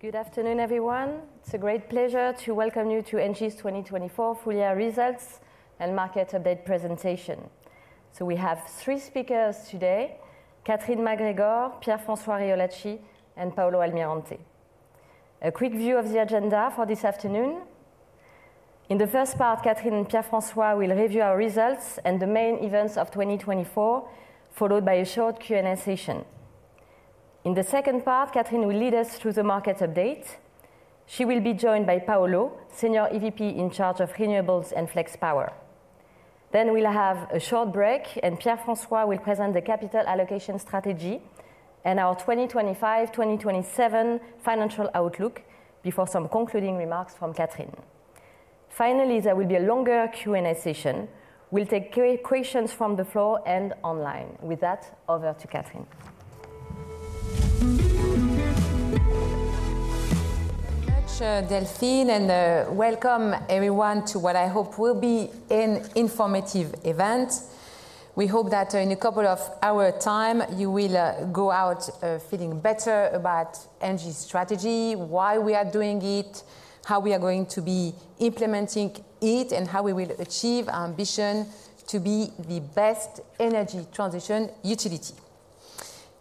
Good afternoon, everyone. It's a great pleasure to welcome you to ENGIE's 2024 Full Year Results and Market Update presentation. So we have three speakers today: Catherine MacGregor, Pierre-François Riolacci, and Paulo Almirante. A quick view of the agenda for this afternoon. In the first part, Catherine and Pierre-François will review our results and the main events of 2024, followed by a short Q&A session. In the second part, Catherine will lead us through the market update. She will be joined by Paulo, Senior EVP in charge of Renewables and Flex Power. Then we'll have a short break, and Pierre-François will present the capital allocation strategy and our 2025-2027 financial outlook before some concluding remarks from Catherine. Finally, there will be a longer Q&A session. We'll take questions from the floor and online. With that, over to Catherine. Thank you, Delphine, and welcome everyone to what I hope will be an informative event. We hope that in a couple of hours' time you will go out feeling better about ENGIE's strategy, why we are doing it, how we are going to be implementing it, and how we will achieve our ambition to be the best energy transition utility.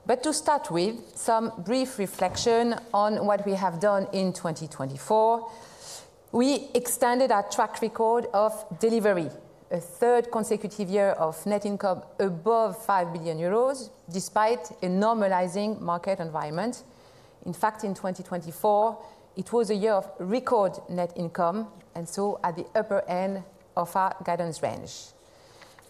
But to start with, some brief reflection on what we have done in 2024. We extended our track record of delivery a third consecutive year of net income above 5 billion euros, despite a normalizing market environment. In fact, in 2024, it was a year of record net income, and so at the upper end of our guidance range.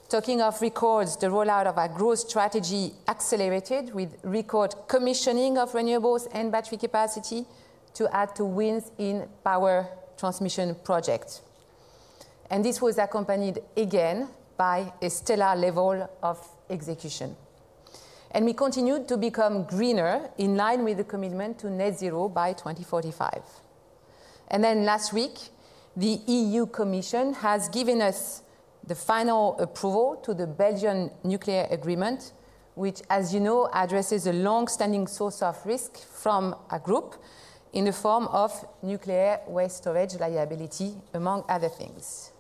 Talking of records, the rollout of our growth strategy accelerated with record commissioning of renewables and battery capacity to add to wins in power transmission projects. And this was accompanied again by a stellar level of execution. And we continued to become greener in line with the commitment to net zero by 2045. And then last week, the EU Commission has given us the final approval to the Belgian nuclear agreement, which, as you know, addresses a longstanding source of risk from a group in the form of nuclear waste storage liability, among other things.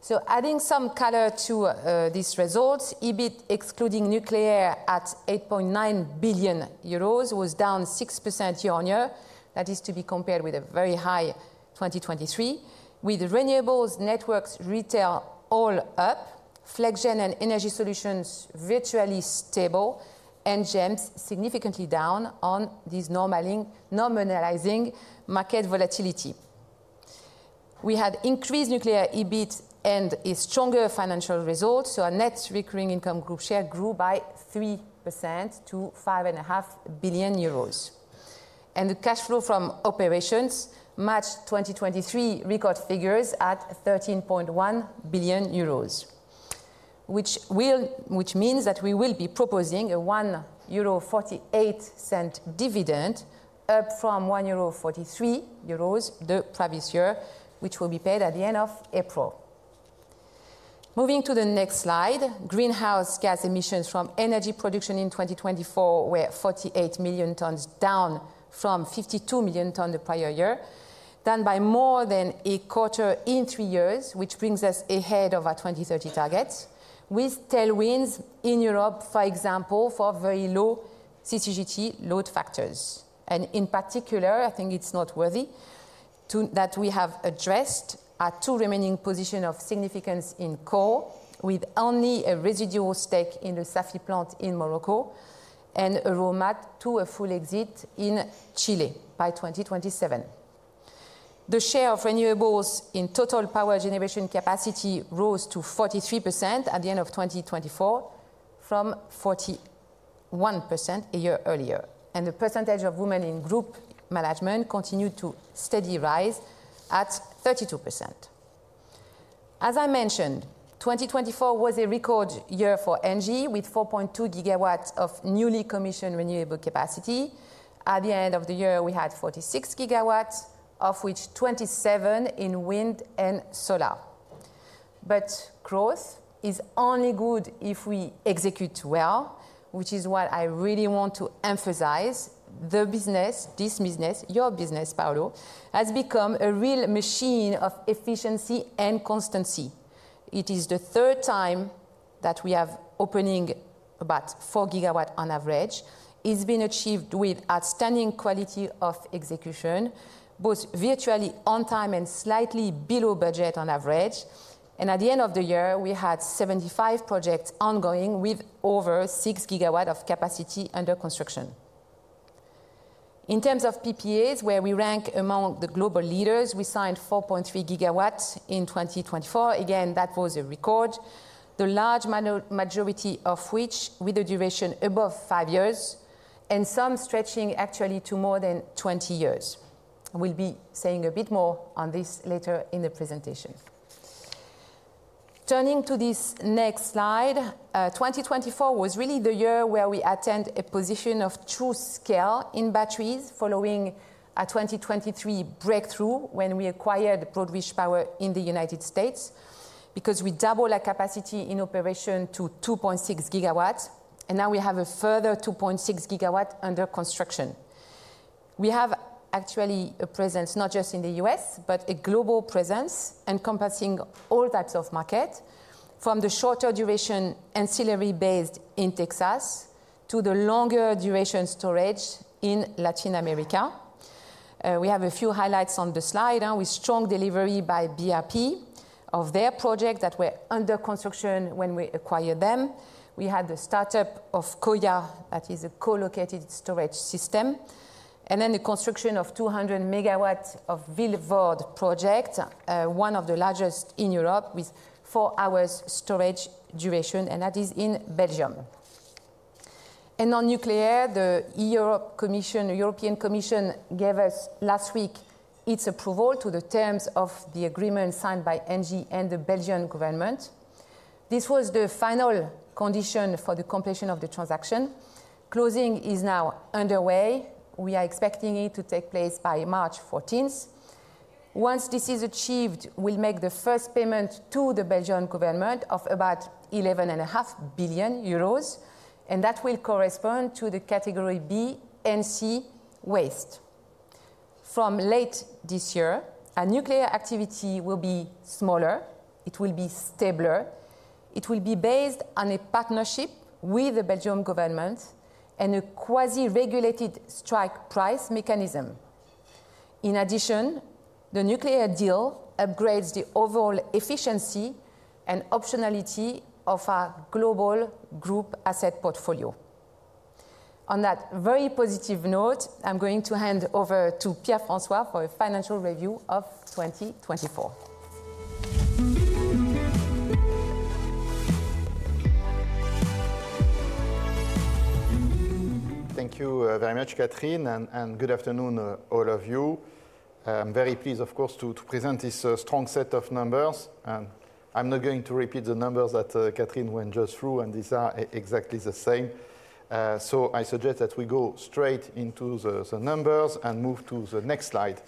So adding some color to these results, EBIT excluding Nuclear at 8.9 billion euros was down 6% year-on-year. That is to be compared with a very high 2023, with Renewables, Networks, Retail all up, Flex Gen and Energy Solutions virtually stable, and GEMS significantly down on this normalizing market volatility. We had increased Nuclear EBIT and a stronger financial result, so our net recurring income group share grew by 3% to 5.5 billion euros. And the cash flow from operations matched 2023 record figures at 13.1 billion euros, which means that we will be proposing a 1.48 euro dividend, up from 1.43 euro the previous year, which will be paid at the end of April. Moving to the next slide, greenhouse gas emissions from energy production in 2024 were 48 million tonnes down from 52 million tonnes the prior year, down by more than a quarter in three years, which brings us ahead of our 2030 targets, with tailwinds in Europe, for example, for very low CCGT load factors. And in particular, I think it's noteworthy that we have addressed our two remaining positions of significance in coal, with only a residual stake in the Safi plant in Morocco, and a roadmap to a full exit in Chile by 2027. The share of renewables in total power generation capacity rose to 43% at the end of 2024 from 41% a year earlier. The percentage of women in Group management continued to steadily rise at 32%. As I mentioned, 2024 was a record year for ENGIE, with 4.2 GW of newly commissioned renewable capacity. At the end of the year, we had 46 GW, of which 27 GW in wind and solar. Growth is only good if we execute well, which is what I really want to emphasize. The business, this business, your business, Paulo, has become a real machine of efficiency and constancy. It is the third time that we are opening about 4 GW on average. It's been achieved with outstanding quality of execution, both virtually on time and slightly below budget on average. At the end of the year, we had 75 projects ongoing with over 6 GW of capacity under construction. In terms of PPAs, where we rank among the global leaders, we signed 4.3 GW in 2024. Again, that was a record, the large majority of which with a duration above five years and some stretching actually to more than 20 years. We'll be saying a bit more on this later in the presentation. Turning to this next slide, 2024 was really the year where we attained a position of true scale in batteries following a 2023 breakthrough when we acquired Broad Reach Power in the United States because we doubled our capacity in operation to 2.6 GW, and now we have a further 2.6 GW under construction. We have actually a presence not just in the U.S., but a global presence encompassing all types of markets, from the shorter duration ancillary-based in Texas to the longer duration storage in Latin America. We have a few highlights on the slide with strong delivery by BRP of their projects that were under construction when we acquired them. We had the startup of Coya, that is a co-located storage system, and then the construction of 200 MW of Vilvoorde project, one of the largest in Europe with four hours storage duration, and that is in Belgium. On Nuclear, the European Commission gave us last week its approval to the terms of the agreement signed by ENGIE and the Belgian government. This was the final condition for the completion of the transaction. Closing is now underway. We are expecting it to take place by March 14th. Once this is achieved, we'll make the first payment to the Belgian government of about 11.5 billion euros, and that will correspond to the category B and C waste. From late this year, our nuclear activity will be smaller. It will be stabler. It will be based on a partnership with the Belgian government and a quasi-regulated strike price mechanism. In addition, the nuclear deal upgrades the overall efficiency and optionality of our global group asset portfolio. On that very positive note, I'm going to hand over to Pierre-François for a financial review of 2024. Thank you very much, Catherine, and good afternoon, all of you. I'm very pleased, of course, to present this strong set of numbers. I'm not going to repeat the numbers that Catherine went just through, and these are exactly the same. So I suggest that we go straight into the numbers and move to the next slide,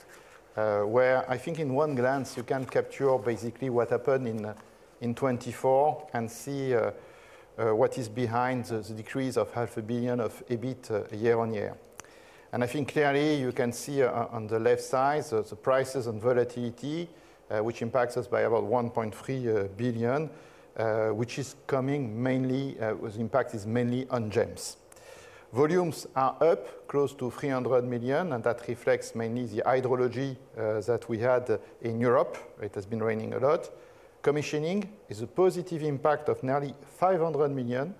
where I think in one glance you can capture basically what happened in 2024 and see what is behind the decrease of 0.5 billion of EBIT year-on-year. And I think clearly you can see on the left side the prices and volatility, which impacts us by about 1.3 billion, which is coming mainly with impact is mainly on GEMS. Volumes are up close to 300 million, and that reflects mainly the hydrology that we had in Europe. It has been raining a lot. Commissioning is a positive impact of nearly 500 million.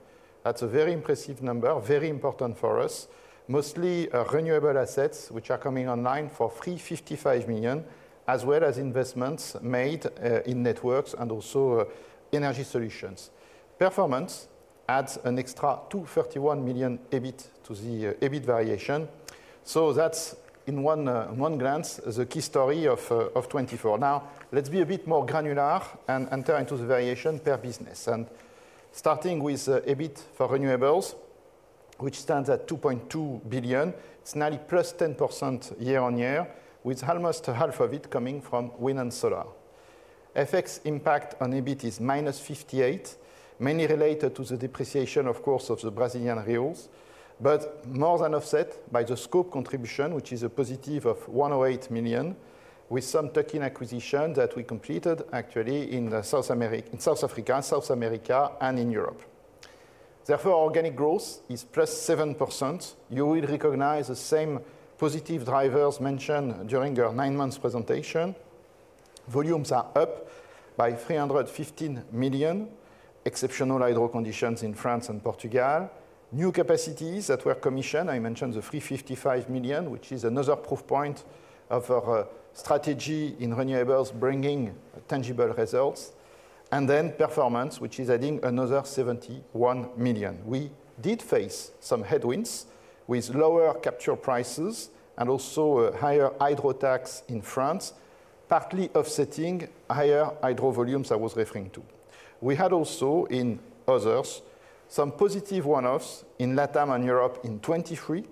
That's a very impressive number, very important for us, mostly Renewable assets, which are coming online for 55 million, as well as investments made in Networks and also Energy Solutions. Performance adds an extra 231 million EBIT to the EBIT variation. So that's in one glance the key story of 2024. Now let's be a bit more granular and enter into the variation per business. And starting with EBIT for Renewables, which stands at 2.2 billion, it's nearly plus 10% year-on-year, with almost half of it coming from wind and solar. FX impact on EBIT is -58 million, mainly related to the depreciation, of course, of the Brazilian reals, but more than offset by the scope contribution, which is a +108 million, with some token acquisition that we completed actually in South Africa, South America, and in Europe. Therefore, organic growth is +7%. You will recognize the same positive drivers mentioned during our nine months' presentation. Volumes are up by 315 million, exceptional hydro conditions in France and Portugal, new capacities that were commissioned. I mentioned the 355 million, which is another proof point of our strategy in renewables bringing tangible results, and then performance, which is adding another 71 million. We did face some headwinds with lower capture prices and also a higher hydro tax in France, partly offsetting higher hydro volumes I was referring to. We had also in others some positive one-offs in LatAm and Europe in 2023,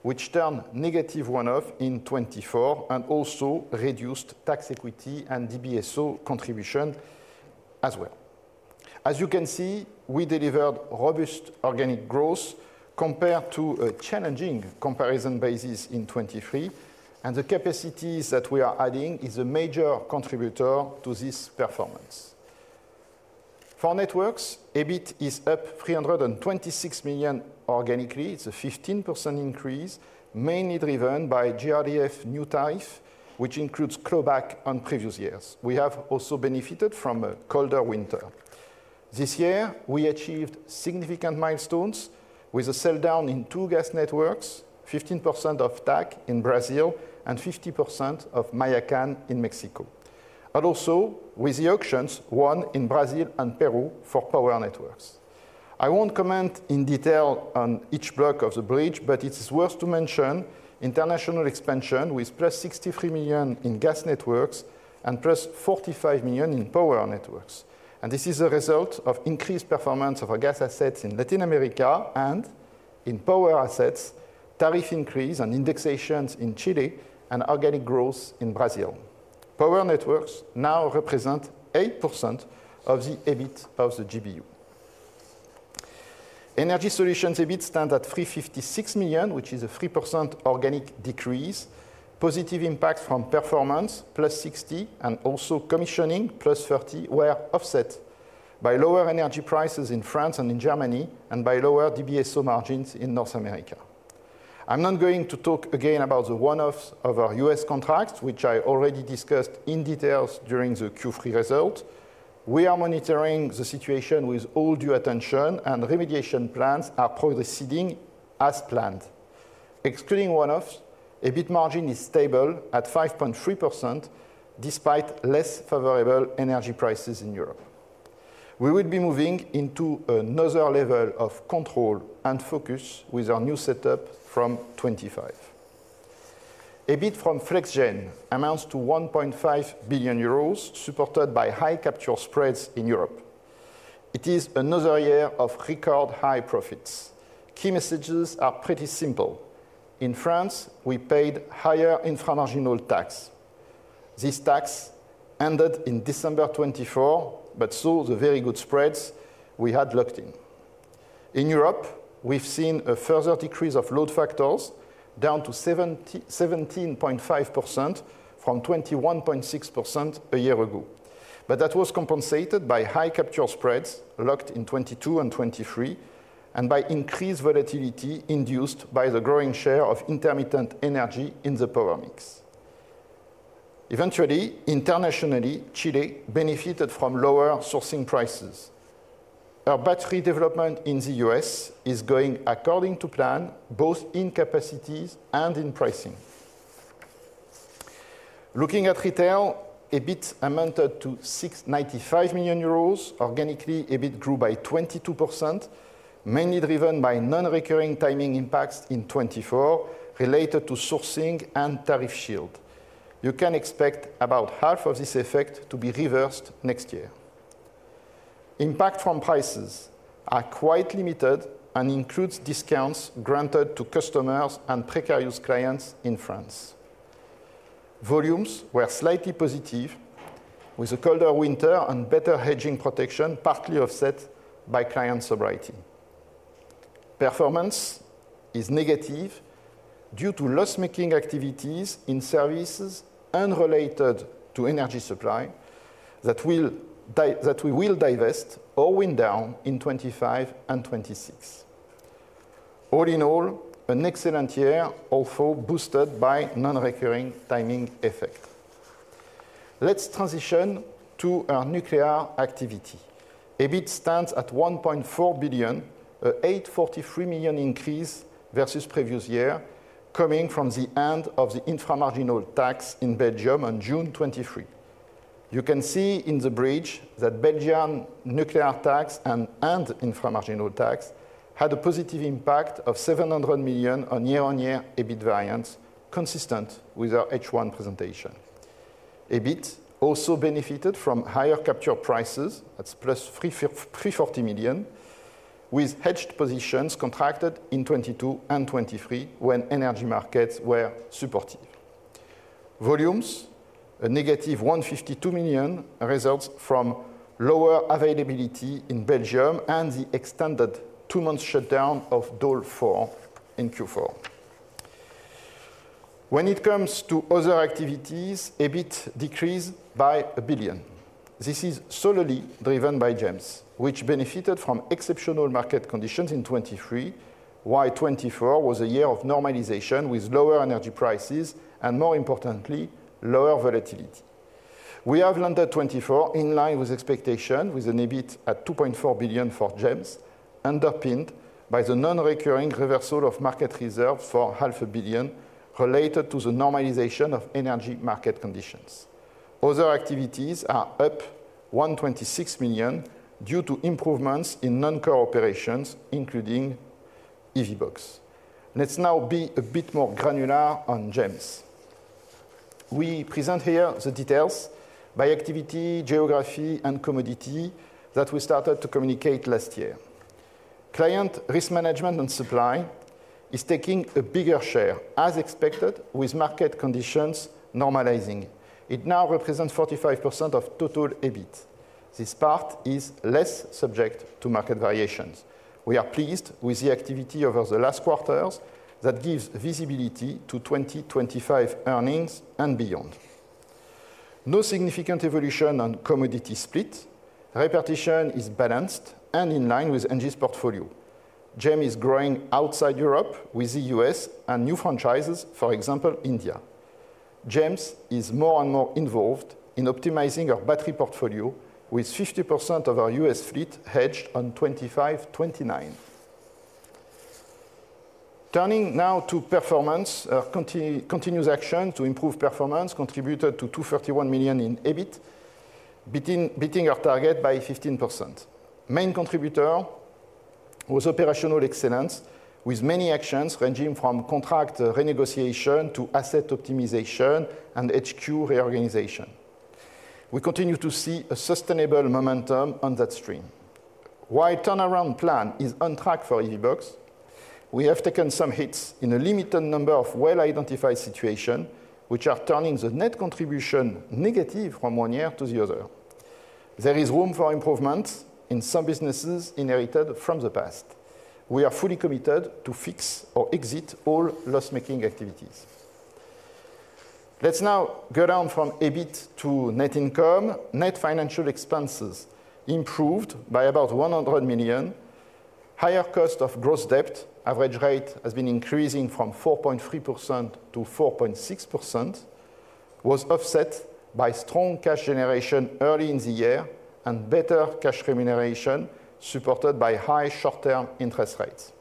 which turned negative one-off in 2024 and also reduced tax equity and DBSO contribution as well. As you can see, we delivered robust organic growth compared to a challenging comparison basis in 2023, and the capacities that we are adding is a major contributor to this performance. For Networks, EBIT is up 326 million organically. It's a 15% increase, mainly driven by GRDF new tariff, which includes clawback on previous years. We have also benefited from a colder winter. This year, we achieved significant milestones with a sell down in two gas networks, 15% of TAG in Brazil and 50% of Mayakan in Mexico, and also with the auctions won in Brazil and Peru for power networks. I won't comment in detail on each block of the bridge, but it's worth mentioning international expansion with +63 million in gas networks and +45 million in power networks, and this is a result of increased performance of our gas assets in Latin America and in power assets, tariff increase and indexations in Chile, and organic growth in Brazil. Power networks now represent 8% of the EBIT of the GBU. Energy Solutions EBIT stand at 356 million, which is a 3% organic decrease, positive impact from performance +60 million, and also commissioning +30 million were offset by lower energy prices in France and in Germany and by lower DBSO margins in North America. I'm not going to talk again about the one-offs of our U.S. contracts, which I already discussed in detail during the Q3 result. We are monitoring the situation with all due attention, and remediation plans are proceeding as planned. Excluding one-offs, EBIT margin is stable at 5.3% despite less favorable energy prices in Europe. We will be moving into another level of control and focus with our new setup from 2025. EBIT from Flex Gen amounts to 1.5 billion euros, supported by high capture spreads in Europe. It is another year of record high profits. Key messages are pretty simple. In France, we paid higher inframarginal tax. This tax ended in December 2024, but saw the very good spreads we had locked in. In Europe, we've seen a further decrease of load factors down to 17.5% from 21.6% a year ago, but that was compensated by high capture spreads locked in 2022 and 2023, and by increased volatility induced by the growing share of intermittent energy in the power mix. Eventually, internationally, Chile benefited from lower sourcing prices. Our battery development in the U.S. is going according to plan, both in capacities and in pricing. Looking at Retail, EBIT amounted to 695 million euros. Organically, EBIT grew by 22%, mainly driven by non-recurring timing impacts in 2024 related to sourcing and tariff shield. You can expect about half of this effect to be reversed next year. Impact from prices are quite limited and includes discounts granted to customers and precarious clients in France. Volumes were slightly positive with a colder winter and better hedging protection, partly offset by client sobriety. Performance is negative due to loss-making activities in services unrelated to energy supply that we will divest or wind down in 2025 and 2026. All in all, an excellent year, although boosted by non-recurring timing effect. Let's transition to our Nuclear activity. EBIT stands at 1.4 billion, an 843 million increase versus previous year, coming from the end of the inframarginal tax in Belgium on June 2023. You can see in the bridge that Belgian nuclear tax and inframarginal tax had a positive impact of 700 million on year-on-year EBIT variance, consistent with our H1 presentation. EBIT also benefited from higher capture prices. That's +340 million with hedged positions contracted in 2022 and 2023 when energy markets were supportive. Volumes, a -152 million results from lower availability in Belgium and the extended two-month shutdown of Doel 4 in Q4. When it comes to other activities, EBIT decreased by 1 billion. This is solely driven by GEMS, which benefited from exceptional market conditions in 2023, while 2024 was a year of normalization with lower energy prices and, more importantly, lower volatility. We have landed 2024 in line with expectations with an EBIT at 2.4 billion for GEMS, underpinned by the non-recurring reversal of market reserve for 500 million related to the normalization of energy market conditions. Other activities are up 126 million due to improvements in non-core operations, including EVBox. Let's now be a bit more granular on GEMS. We present here the details by activity, geography, and commodity that we started to communicate last year. Client Risk Management and Supply is taking a bigger share, as expected, with market conditions normalizing. It now represents 45% of total EBIT. This part is less subject to market variations. We are pleased with the activity over the last quarters that gives visibility to 2025 earnings and beyond. No significant evolution on commodity split. The position is balanced and in line with ENGIE's portfolio. GEMS is growing outside Europe with the U.S. and new franchises, for example, India. GEMS is more and more involved in optimizing our battery portfolio, with 50% of our U.S. fleet hedged on 2025-2029. Turning now to performance, our continuous action to improve performance contributed to 231 million in EBIT, beating our target by 15%. Main contributor was operational excellence, with many actions ranging from contract renegotiation to asset optimization and HQ reorganization. We continue to see a sustainable momentum on that stream. While turnaround plan is on track for EVBox, we have taken some hits in a limited number of well-identified situations, which are turning the net contribution negative from one year to the other. There is room for improvements in some businesses inherited from the past. We are fully committed to fix or exit all loss-making activities. Let's now go down from EBIT to net income. Net financial expenses improved by about 100 million. Higher cost of gross debt average rate has been increasing from 4.3% to 4.6%, was offset by strong cash generation early in the year and better cash remuneration supported by high short-term interest rates.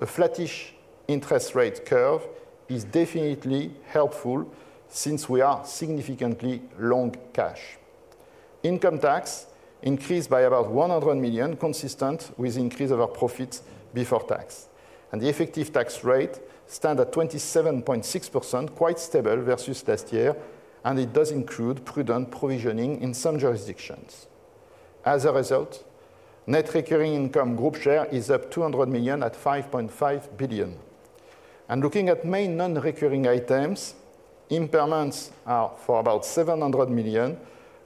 A flattish interest rate curve is definitely helpful since we are significantly long cash. Income tax increased by about 100 million, consistent with increase of our profits before tax, and the effective tax rate stands at 27.6%, quite stable versus last year, and it does include prudent provisioning in some jurisdictions. As a result, net recurring income group share is up 200 million at 5.5 billion, and looking at main non-recurring items, impairments are for about 700 million,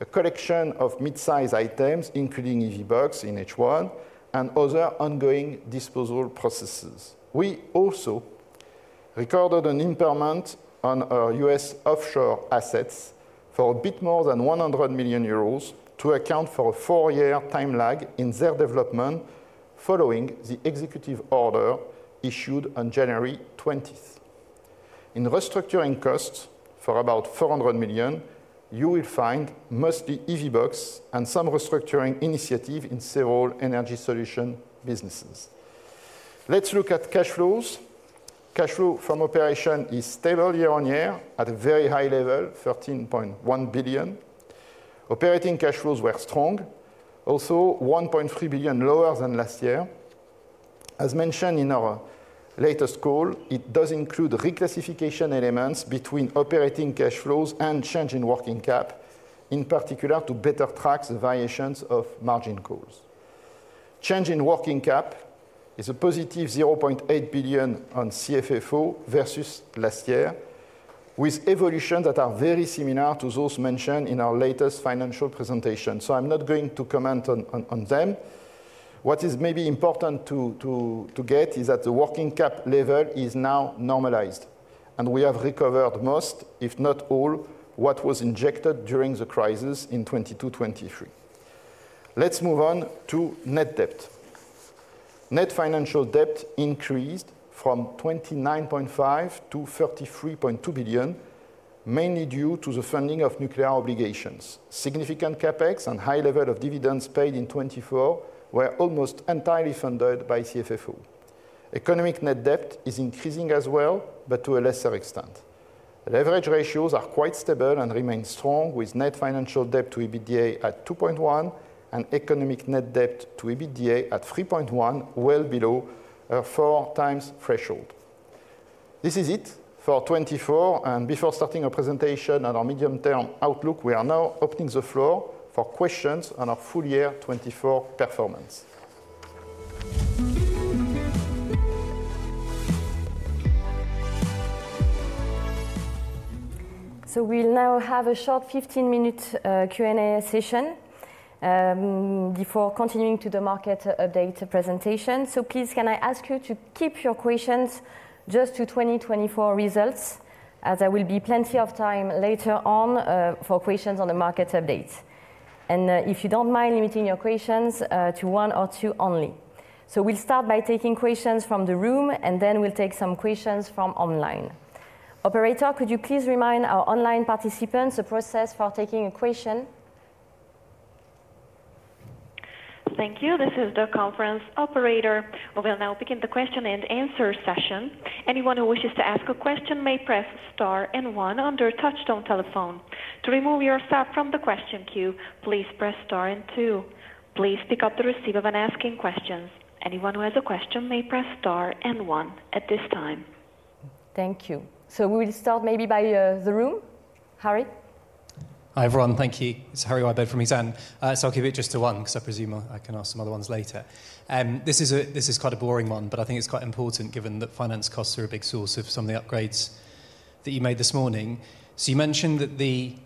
a collection of mid-size items, including EVBox in H1 and other ongoing disposal processes. We also recorded an impairment on our U.S. offshore assets for a bit more than 100 million euros to account for a four-year time lag in their development following the executive order issued on January 20th. In restructuring costs for about 400 million, you will find mostly EVBox and some restructuring initiative in several Energy Solutions businesses. Let's look at cash flows. Cash flow from operations is stable year-on-year at a very high level, 13.1 billion. Operating cash flows were strong, also 1.3 billion lower than last year. As mentioned in our latest call, it does include reclassification elements between operating cash flows and change in working cap, in particular to better track the variations of margin calls. Change in working cap is a positive 0.8 billion on CFFO versus last year, with evolutions that are very similar to those mentioned in our latest financial presentation. I'm not going to comment on them. What is maybe important to get is that the working cap level is now normalized, and we have recovered most, if not all, what was injected during the crisis in 2022-2023. Let's move on to net debt. Net financial debt increased from 29.5 billion to 33.2 billion, mainly due to the funding of nuclear obligations. Significant CapEx and high level of dividends paid in 2024 were almost entirely funded by CFFO. Economic net debt is increasing as well, but to a lesser extent. Leverage ratios are quite stable and remain strong, with net financial debt to EBITDA at 2.1 and economic net debt to EBITDA at 3.1, well below our four-times threshold. This is it for 2024. Before starting our presentation on our medium-term outlook, we are now opening the floor for questions on our full year 2024 performance. We'll now have a short 15-minute Q&A session before continuing to the market update presentation. Please, can I ask you to keep your questions just to 2024 results, as there will be plenty of time later on for questions on the market update. And if you don't mind limiting your questions to one or two only. We'll start by taking questions from the room, and then we'll take some questions from online. Operator, could you please remind our online participants the process for taking a question? Thank you. This is the conference operator. We will now begin the question and answer session. Anyone who wishes to ask a question may press star and one on your touch-tone telephone. To remove yourself from the question queue, please press star and two. Please pick up the receiver when asking a question. Anyone who has a question may press star and one at this time. Thank you. So we will start maybe by the room. Harry? Hi, everyone. Thank you. It's Harry Wyburd from Exane. So I'll keep it just to one because I presume I can ask some other ones later. This is quite a boring one, but I think it's quite important given that finance costs are a big source of some of the upgrades that you made this morning. So you mentioned that the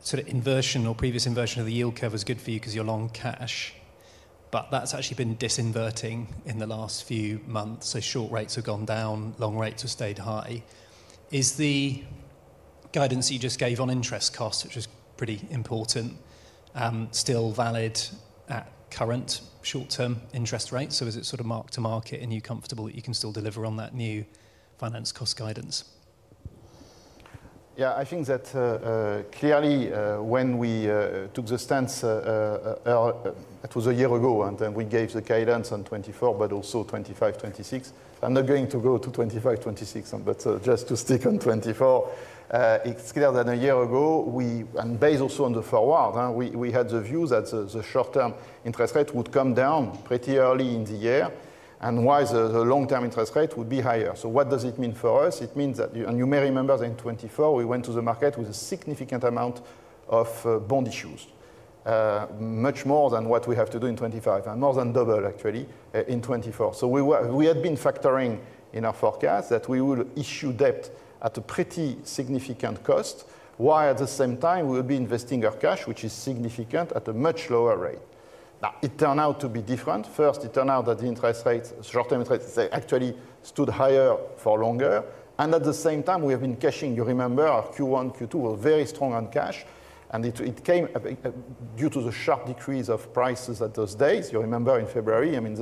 sort of inversion or previous inversion of the yield curve was good for you because you're long cash, but that's actually been disinverting in the last few months. So short rates have gone down, long rates have stayed high. Is the guidance you just gave on interest costs, which is pretty important, still valid at current short-term interest rates? So is it sort of mark to market, and are you comfortable that you can still deliver on that new finance cost guidance? Yeah, I think that clearly when we took the stance, it was a year ago, and then we gave the guidance on 2024, but also 2025, 2026. I'm not going to go to 2025, 2026, but just to stick on 2024. It's clear that a year ago, and based also on the forward, we had the view that the short-term interest rate would come down pretty early in the year, and why the long-term interest rate would be higher. So what does it mean for us? It means that, and you may remember that in 2024, we went to the market with a significant amount of bond issues, much more than what we have to do in 2025, and more than double actually in 2024. So we had been factoring in our forecast that we would issue debt at a pretty significant cost, while at the same time we would be investing our cash, which is significant, at a much lower rate. Now, it turned out to be different. First, it turned out that the interest rate, short-term interest rate, actually stood higher for longer. And at the same time, we have been cashing. You remember our Q1, Q2 were very strong on cash, and it came due to the sharp decrease of prices at those days. You remember in February, I mean,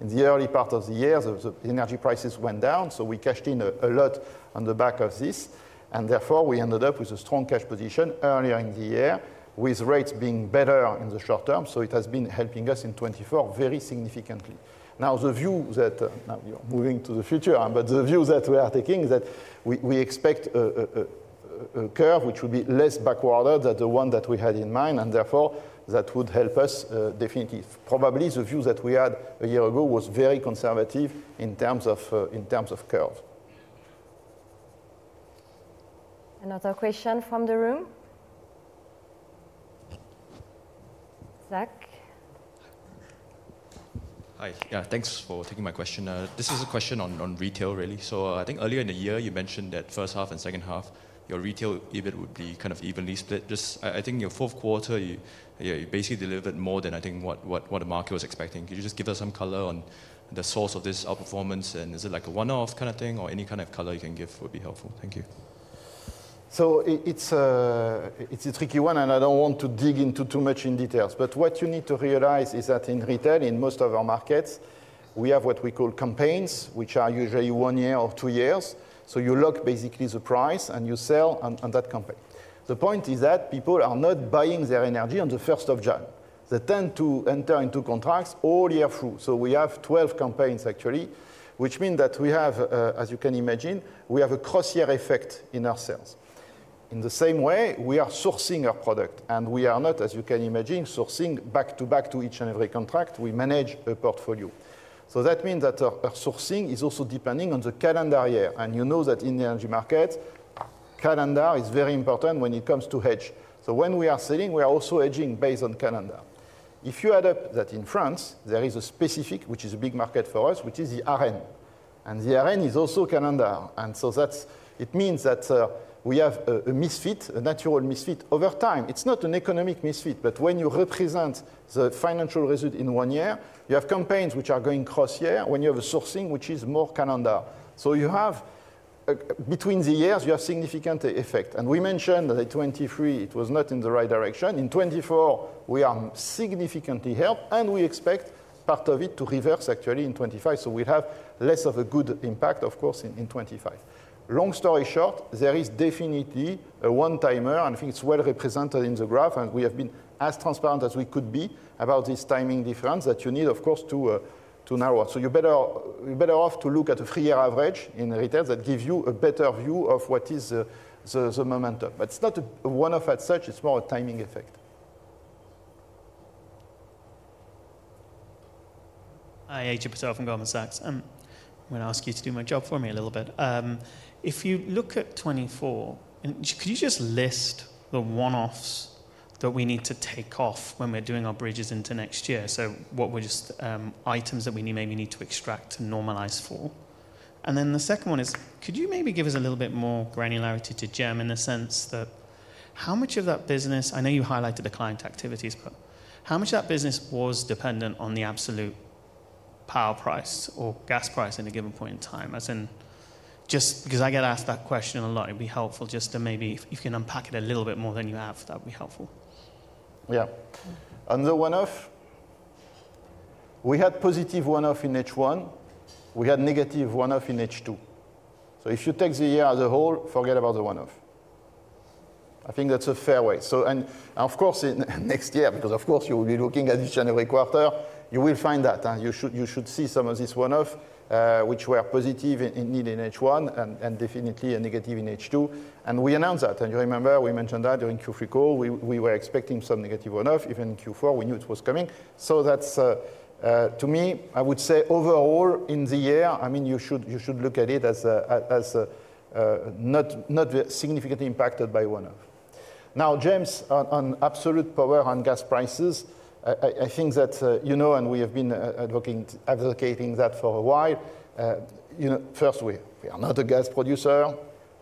in the early part of the year, the energy prices went down. So we cashed in a lot on the back of this, and therefore we ended up with a strong cash position earlier in the year, with rates being better in the short term. So it has been helping us in 2024 very significantly. Now, the view that now you're moving to the future, but the view that we are taking is that we expect a curve which will be less backwarded than the one that we had in mind, and therefore that would help us definitely. Probably the view that we had a year ago was very conservative in terms of curve. Another question from the room? Zach? Hi. Yeah, thanks for taking my question. This is a question on Retail, really. So I think earlier in the year, you mentioned that first half and second half, your Retail EBIT would be kind of evenly split. Just I think your fourth quarter, you basically delivered more than I think what the market was expecting. Could you just give us some color on the source of this outperformance? Is it like a one-off kind of thing, or any kind of color you can give would be helpful? Thank you. It's a tricky one, and I don't want to dig into too much in details. What you need to realize is that in retail, in most of our markets, we have what we call campaigns, which are usually one year or two years. You lock basically the price and you sell on that campaign. The point is that people are not buying their energy on the first of June. They tend to enter into contracts all year through. We have 12 campaigns actually, which means that we have, as you can imagine, we have a cross-year effect in ourselves. In the same way, we are sourcing our product, and we are not, as you can imagine, sourcing back to back to each and every contract. We manage a portfolio, so that means that our sourcing is also depending on the calendar year, and you know that in the energy market, calendar is very important when it comes to hedge. So when we are selling, we are also hedging based on calendar. If you add up that in France, there is a specific, which is a big market for us, which is the ARENH. And the ARENH is also calendar, and so that means that we have a misfit, a natural misfit over time. It's not an economic misfit, but when you represent the financial result in one year, you have campaigns which are going cross-year when you have a sourcing which is more calendar. So you have between the years, you have significant effect. And we mentioned that in 2023, it was not in the right direction. In 2024, we are significantly helped, and we expect part of it to reverse actually in 2025. So we'll have less of a good impact, of course, in 2025. Long story short, there is definitely a one-timer, and I think it's well represented in the graph, and we have been as transparent as we could be about this timing difference that you need, of course, to narrow. So you're better off to look at a three-year average in Retail that gives you a better view of what is the momentum. But it's not a one-off as such. It's more a timing effect. Hi, Ajay Patel from Goldman Sachs. I'm going to ask you to do my job for me a little bit. If you look at 2024, could you just list the one-offs that we need to take off when we're doing our bridges into next year? So what were just items that we maybe need to extract and normalize for? And then the second one is, could you maybe give us a little bit more granularity to GEMS in the sense that how much of that business, I know you highlighted the client activities, but how much of that business was dependent on the absolute power price or gas price at a given point in time? As in just because I get asked that question a lot, it'd be helpful just to maybe if you can unpack it a little bit more than you have, that would be helpful. Yeah. On the one-off, we had positive one-off in H1. We had negative one-off in H2. So if you take the year as a whole, forget about the one-off. I think that's a fair way. And of course, next year, because of course, you will be looking at each and every quarter, you will find that. You should see some of these one-offs which were positive in H1 and definitely a negative in H2. And we announced that. And you remember we mentioned that during Q3 call, we were expecting some negative one-off, even in Q4, we knew it was coming. So that's to me, I would say overall in the year, I mean, you should look at it as not significantly impacted by one-off. Now, GEMS on absolute power and gas prices, I think that you know, and we have been advocating that for a while. First, we are not a gas producer.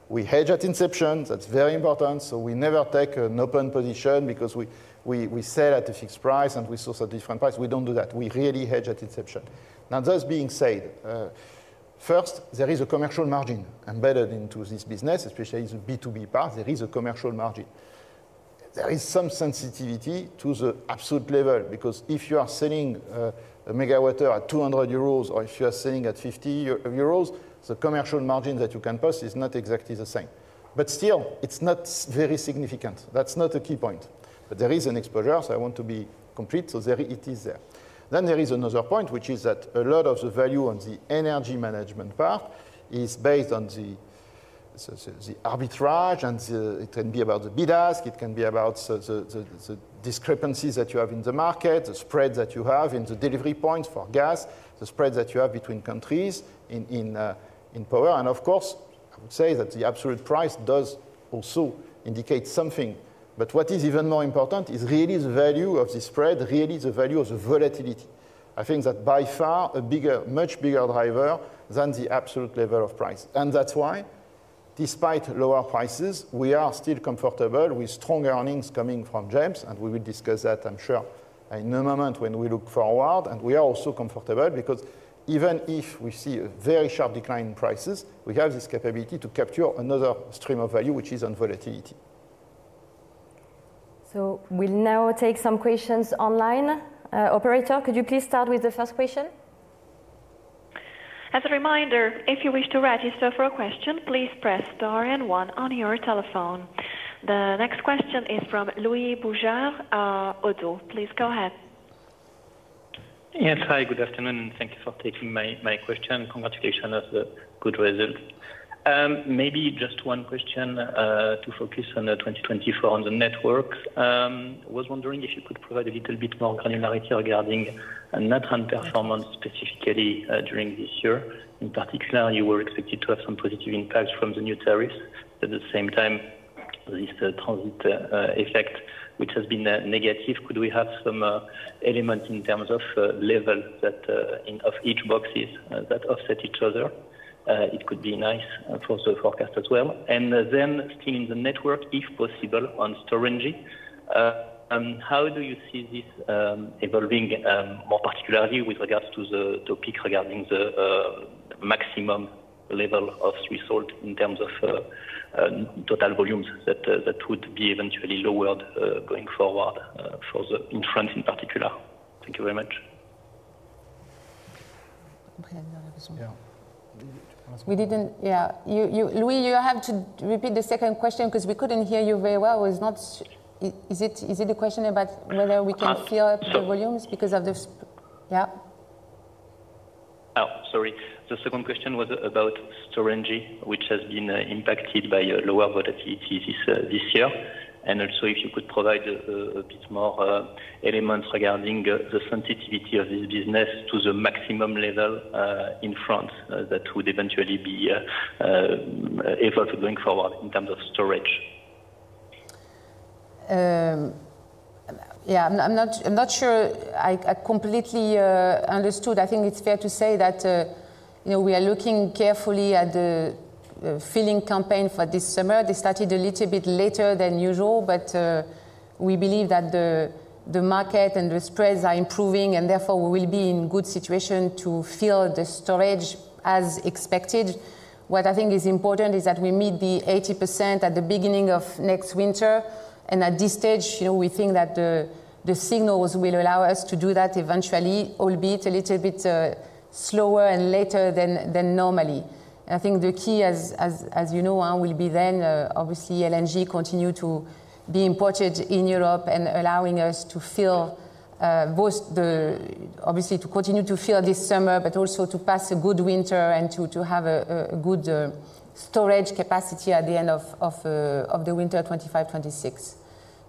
We hedge at inception. That's very important. We never take an open position because we sell at a fixed price and we source at a different price. We don't do that. We really hedge at inception. Now, those being said, first, there is a commercial margin embedded into this business, especially the B2B part. There is a commercial margin. There is some sensitivity to the absolute level because if you are selling a megawatt hour at 200 euros or if you are selling at 50 euros, the commercial margin that you can post is not exactly the same. But still, it's not very significant. That's not a key point. But there is an exposure, so I want to be complete. So it is there. Then there is another point, which is that a lot of the value on the energy management part is based on the arbitrage, and it can be about the bid-ask, it can be about the discrepancies that you have in the market, the spread that you have in the delivery points for gas, the spread that you have between countries in power. And of course, I would say that the absolute price does also indicate something. But what is even more important is really the value of the spread, really the value of the volatility. I think that by far a much bigger driver than the absolute level of price. And that's why, despite lower prices, we are still comfortable with strong earnings coming from GEMS, and we will discuss that, I'm sure, in a moment when we look forward. And we are also comfortable because even if we see a very sharp decline in prices, we have this capability to capture another stream of value, which is on volatility. So we'll now take some questions online. Operator, could you please start with the first question? As a reminder, if you wish to register for a question, please press star and one on your telephone. The next question is from Louis Boujard. Please go ahead. Yes, hi, good afternoon, and thank you for taking my question. Congratulations on the good results. Maybe just one question to focus on 2024 on the Networks. I was wondering if you could provide a little bit more granularity regarding NaTran performance specifically during this year. In particular, you were expected to have some positive impacts from the new tariffs. At the same time, this transit effect, which has been negative, could we have some elements in terms of levels of each box that offset each other? It could be nice for the forecast as well. And then staying in the Network, if possible, on Storengy, how do you see this evolving more particularly with regards to the topic regarding the maximum level of result in terms of total volumes that would be eventually lowered going forward for the one in France in particular? Thank you very much. Yeah. We didn't, yeah. Louis, you have to repeat the second question because we couldn't hear you very well. Is it the question about whether we can fill up the volumes because of the... Yeah? Oh, sorry. The second question was about Storengy, which has been impacted by lower volatility this year. And also, if you could provide a bit more elements regarding the sensitivity of this business to the maximum level in France that would eventually be evolved going forward in terms of storage? Yeah, I'm not sure I completely understood. I think it's fair to say that we are looking carefully at the filling campaign for this summer. They started a little bit later than usual, but we believe that the market and the spreads are improving, and therefore we will be in a good situation to fill the storage as expected. What I think is important is that we meet the 80% at the beginning of next winter. And at this stage, we think that the signals will allow us to do that eventually, albeit a little bit slower and later than normally. I think the key, as you know, will be then obviously LNG continuing to be imported in Europe and allowing us to fill both the... obviously to continue to fill this summer, but also to pass a good winter and to have a good storage capacity at the end of the winter 2025-2026.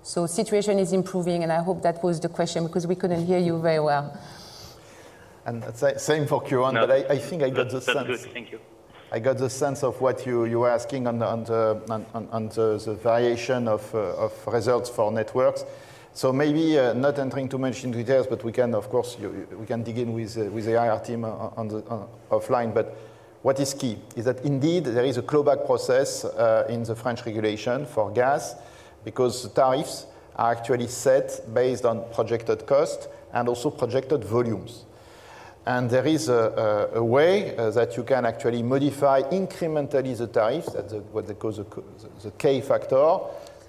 So the situation is improving, and I hope that was the question because we couldn't hear you very well. And same for Q1, but I think I got the sense. Thank you. I got the sense of what you were asking on the variation of results for Networks. So maybe not entering too much into details, but we can, of course, dig in with the IR team offline. But what is key is that indeed there is a clawback process in the French regulation for gas because tariffs are actually set based on projected cost and also projected volumes. And there is a way that you can actually modify incrementally the tariffs, what they call the K factor,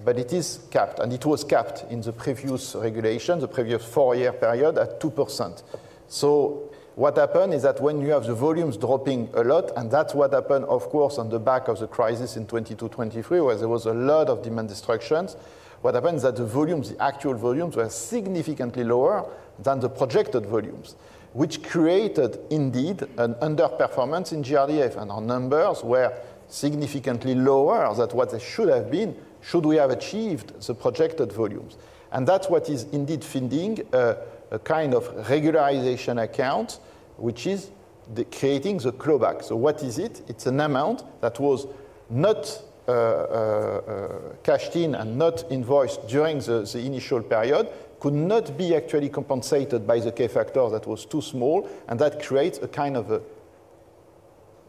but it is capped. And it was capped in the previous regulation, the previous four-year period at 2%. So what happened is that when you have the volumes dropping a lot, and that's what happened, of course, on the back of the crisis in 2022-2023, where there was a lot of demand destructions, what happened is that the volumes, the actual volumes, were significantly lower than the projected volumes, which created indeed an underperformance in GRDF. And our numbers were significantly lower than what they should have been should we have achieved the projected volumes. That's what is indeed funding a kind of regularization account, which is creating the clawback. So what is it? It's an amount that was not cashed in and not invoiced during the initial period, could not be actually compensated by the K factor that was too small, and that creates a kind of a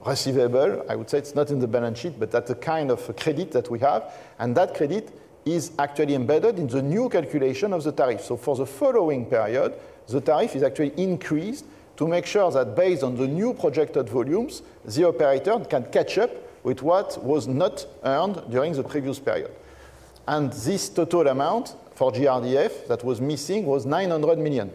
receivable. I would say it's not in the balance sheet, but that's a kind of a credit that we have. And that credit is actually embedded in the new calculation of the tariff. So for the following period, the tariff is actually increased to make sure that based on the new projected volumes, the operator can catch up with what was not earned during the previous period. And this total amount for GRDF that was missing was 900 million.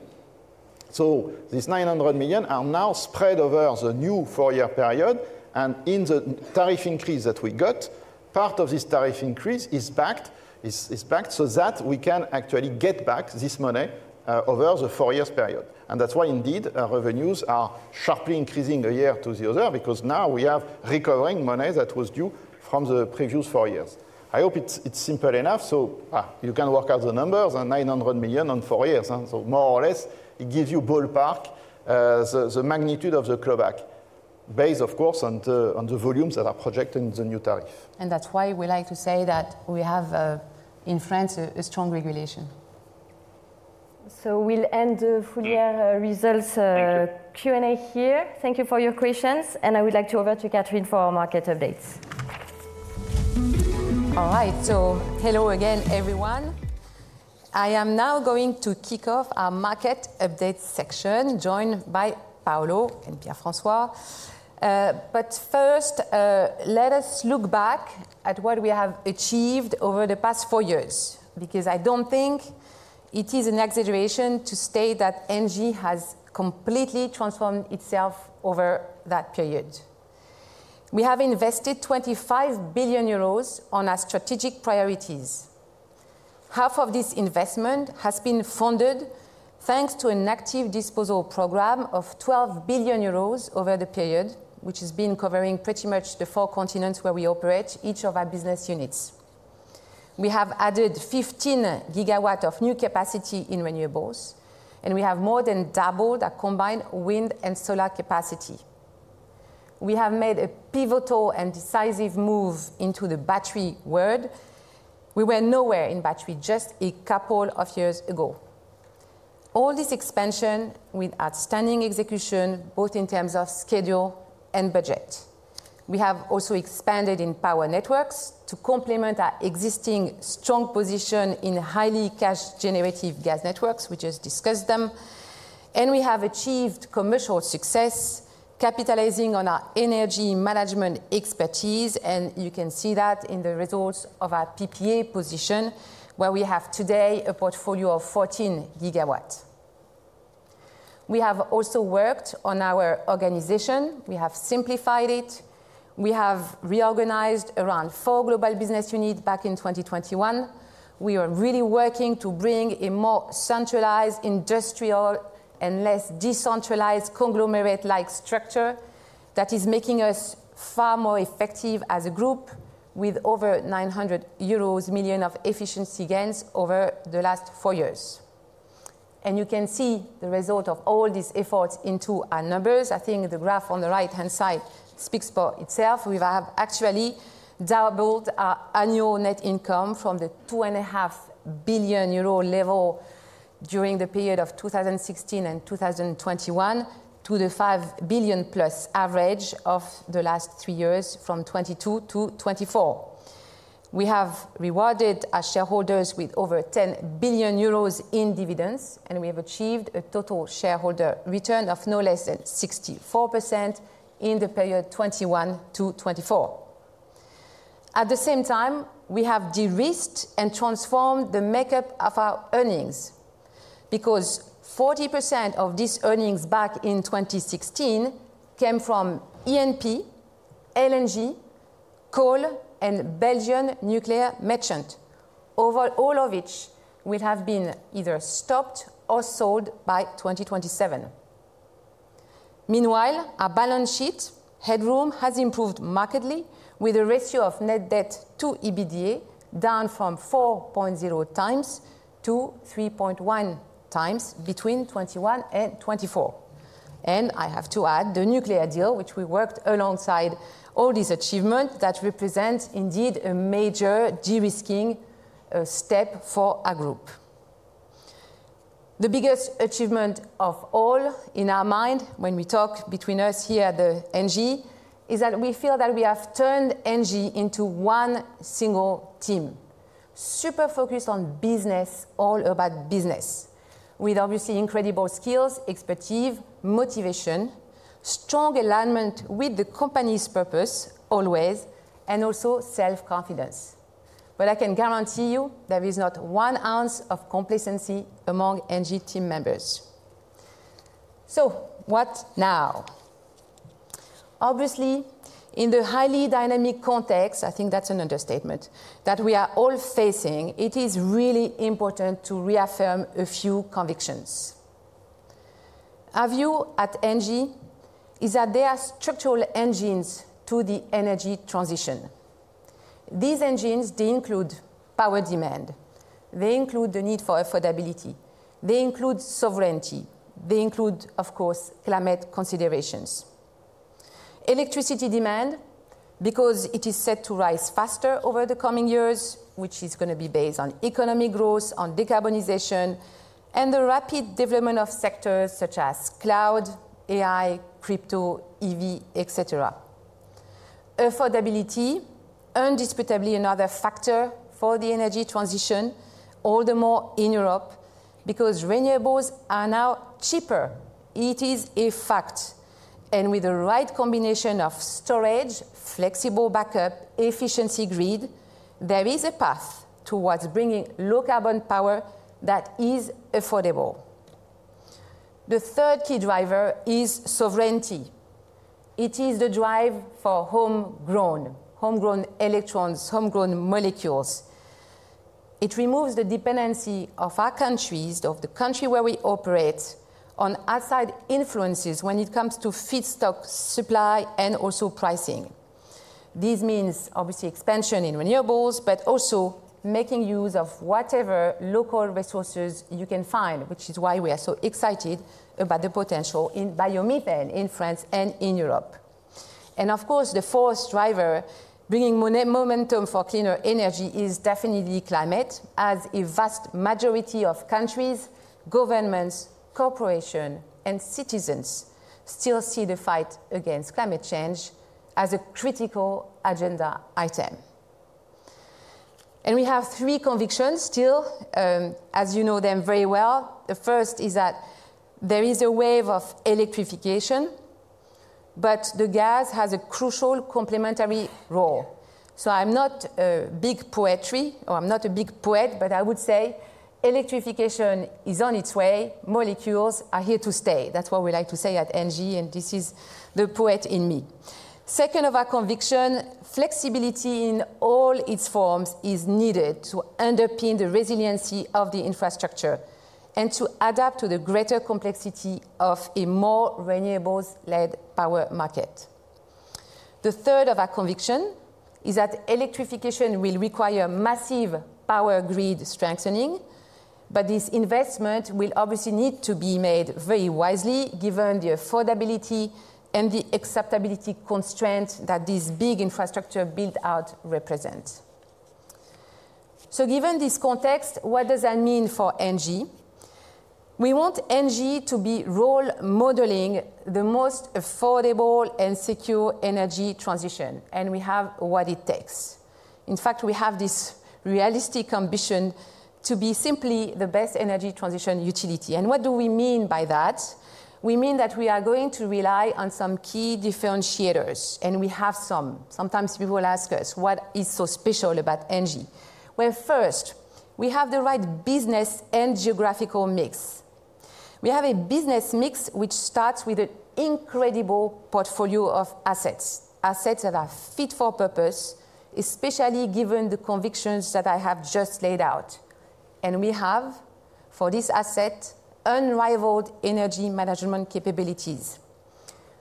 So these 900 million are now spread over the new four-year period. And in the tariff increase that we got, part of this tariff increase is backed so that we can actually get back this money over the four-year period. And that's why indeed our revenues are sharply increasing year-over-year because now we are recovering money that was due from the previous four years. I hope it's simple enough. So you can work out the numbers on 900 million over four years. So more or less, it gives you a ballpark of the magnitude of the clawback based, of course, on the volumes that are projected in the new tariff. And that's why we like to say that we have in France a strong regulation. So we'll end the full-year results Q&A here. Thank you for your questions. And I would like to hand over to Catherine for our market updates. All right. So hello again, everyone. I am now going to kick off our market update section joined by Paulo and Pierre-François. But first, let us look back at what we have achieved over the past four years because I don't think it is an exaggeration to state that ENGIE has completely transformed itself over that period. We have invested 25 billion euros on our strategic priorities. Half of this investment has been funded thanks to an active disposal program of 12 billion euros over the period, which has been covering pretty much the four continents where we operate, each of our business units. We have added 15 GW of new capacity in renewables, and we have more than doubled our combined wind and solar capacity. We have made a pivotal and decisive move into the battery world. We were nowhere in battery just a couple of years ago. All this expansion with outstanding execution, both in terms of schedule and budget. We have also expanded in power networks to complement our existing strong position in highly cash-generative gas networks, which we've discussed. And we have achieved commercial success, capitalizing on our energy management expertise. And you can see that in the results of our PPA position, where we have today a portfolio of 14 GW. We have also worked on our organization. We have simplified it. We have reorganized around four Global Business Units back in 2021. We are really working to bring a more centralized industrial and less decentralized conglomerate-like structure that is making us far more effective as a group with over 900 million euros of efficiency gains over the last four years. And you can see the result of all these efforts into our numbers. I think the graph on the right-hand side speaks for itself. We have actually doubled our annual net income from the 2.5 billion euro level during the period of 2016 and 2021 to the 5 billion plus average of the last three years from 2022 to 2024. We have rewarded our shareholders with over 10 billion euros in dividends, and we have achieved a total shareholder return of no less than 64% in the period 2021 to 2024. At the same time, we have de-risked and transformed the makeup of our earnings because 40% of these earnings back in 2016 came from E&P, LNG, coal, and Belgian nuclear merchant, all of which will have been either stopped or sold by 2027. Meanwhile, our balance sheet headroom has improved markedly with a ratio of net debt to EBITDA down from 4.0x to 3.1x between 2021 and 2024. And I have to add the nuclear deal, which we worked alongside all these achievements that represent indeed a major de-risking step for our group. The biggest achievement of all in our mind when we talk between us here at ENGIE is that we feel that we have turned ENGIE into one single team, super focused on business, all about business, with obviously incredible skills, expertise, motivation, strong alignment with the company's purpose always, and also self-confidence. But I can guarantee you there is not one ounce of complacency among ENGIE team members. So what now? Obviously, in the highly dynamic context, I think that's an understatement that we are all facing, it is really important to reaffirm a few convictions. Our view at ENGIE is that there are structural engines to the energy transition. These engines, they include power demand. They include the need for affordability. They include sovereignty. They include, of course, climate considerations. Electricity demand, because it is set to rise faster over the coming years, which is going to be based on economic growth, on decarbonization, and the rapid development of sectors such as cloud, AI, crypto, EV, etc. Affordability, indisputably another factor for the energy transition, all the more in Europe because renewables are now cheaper. It is a fact, and with the right combination of storage, flexible backup, efficiency grid, there is a path towards bringing low-carbon power that is affordable. The third key driver is sovereignty. It is the drive for homegrown electrons, homegrown molecules. It removes the dependency of our countries, of the country where we operate, on outside influences when it comes to feedstock supply and also pricing. This means obviously expansion in renewables, but also making use of whatever local resources you can find, which is why we are so excited about the potential in biomethane in France and in Europe, and of course, the fourth driver bringing momentum for cleaner energy is definitely climate, as a vast majority of countries, governments, corporations, and citizens still see the fight against climate change as a critical agenda item, and we have three convictions still, as you know them very well. The first is that there is a wave of electrification, but the gas has a crucial complementary role, so I'm not a big poetry or I'm not a big poet, but I would say electrification is on its way. Molecules are here to stay. That's what we like to say at ENGIE, and this is the poet in me. Second of our convictions, flexibility in all its forms is needed to underpin the resiliency of the infrastructure and to adapt to the greater complexity of a more renewables-led power market. The third of our convictions is that electrification will require massive power grid strengthening, but this investment will obviously need to be made very wisely given the affordability and the acceptability constraints that this big infrastructure build-out represents. So given this context, what does that mean for ENGIE? We want ENGIE to be role modeling the most affordable and secure energy transition, and we have what it takes. In fact, we have this realistic ambition to be simply the best energy transition utility. And what do we mean by that? We mean that we are going to rely on some key differentiators, and we have some. Sometimes people ask us, what is so special about ENGIE? First, we have the right business and geographical mix. We have a business mix which starts with an incredible portfolio of assets, assets that are fit for purpose, especially given the convictions that I have just laid out, and we have, for this asset, unrivaled energy management capabilities.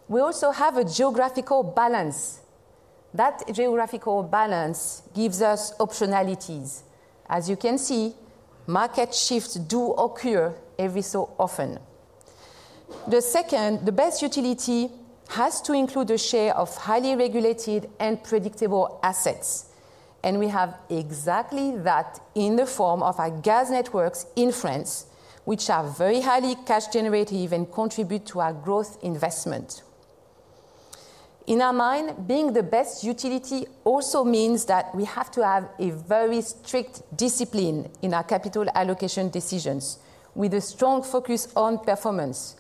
We also have a geographical balance. That geographical balance gives us optionalities. As you can see, market shifts do occur every so often. The second, the best utility has to include a share of highly regulated and predictable assets, and we have exactly that in the form of our gas networks in France, which are very highly cash-generative and contribute to our growth investment. In our mind, being the best utility also means that we have to have a very strict discipline in our capital allocation decisions with a strong focus on performance.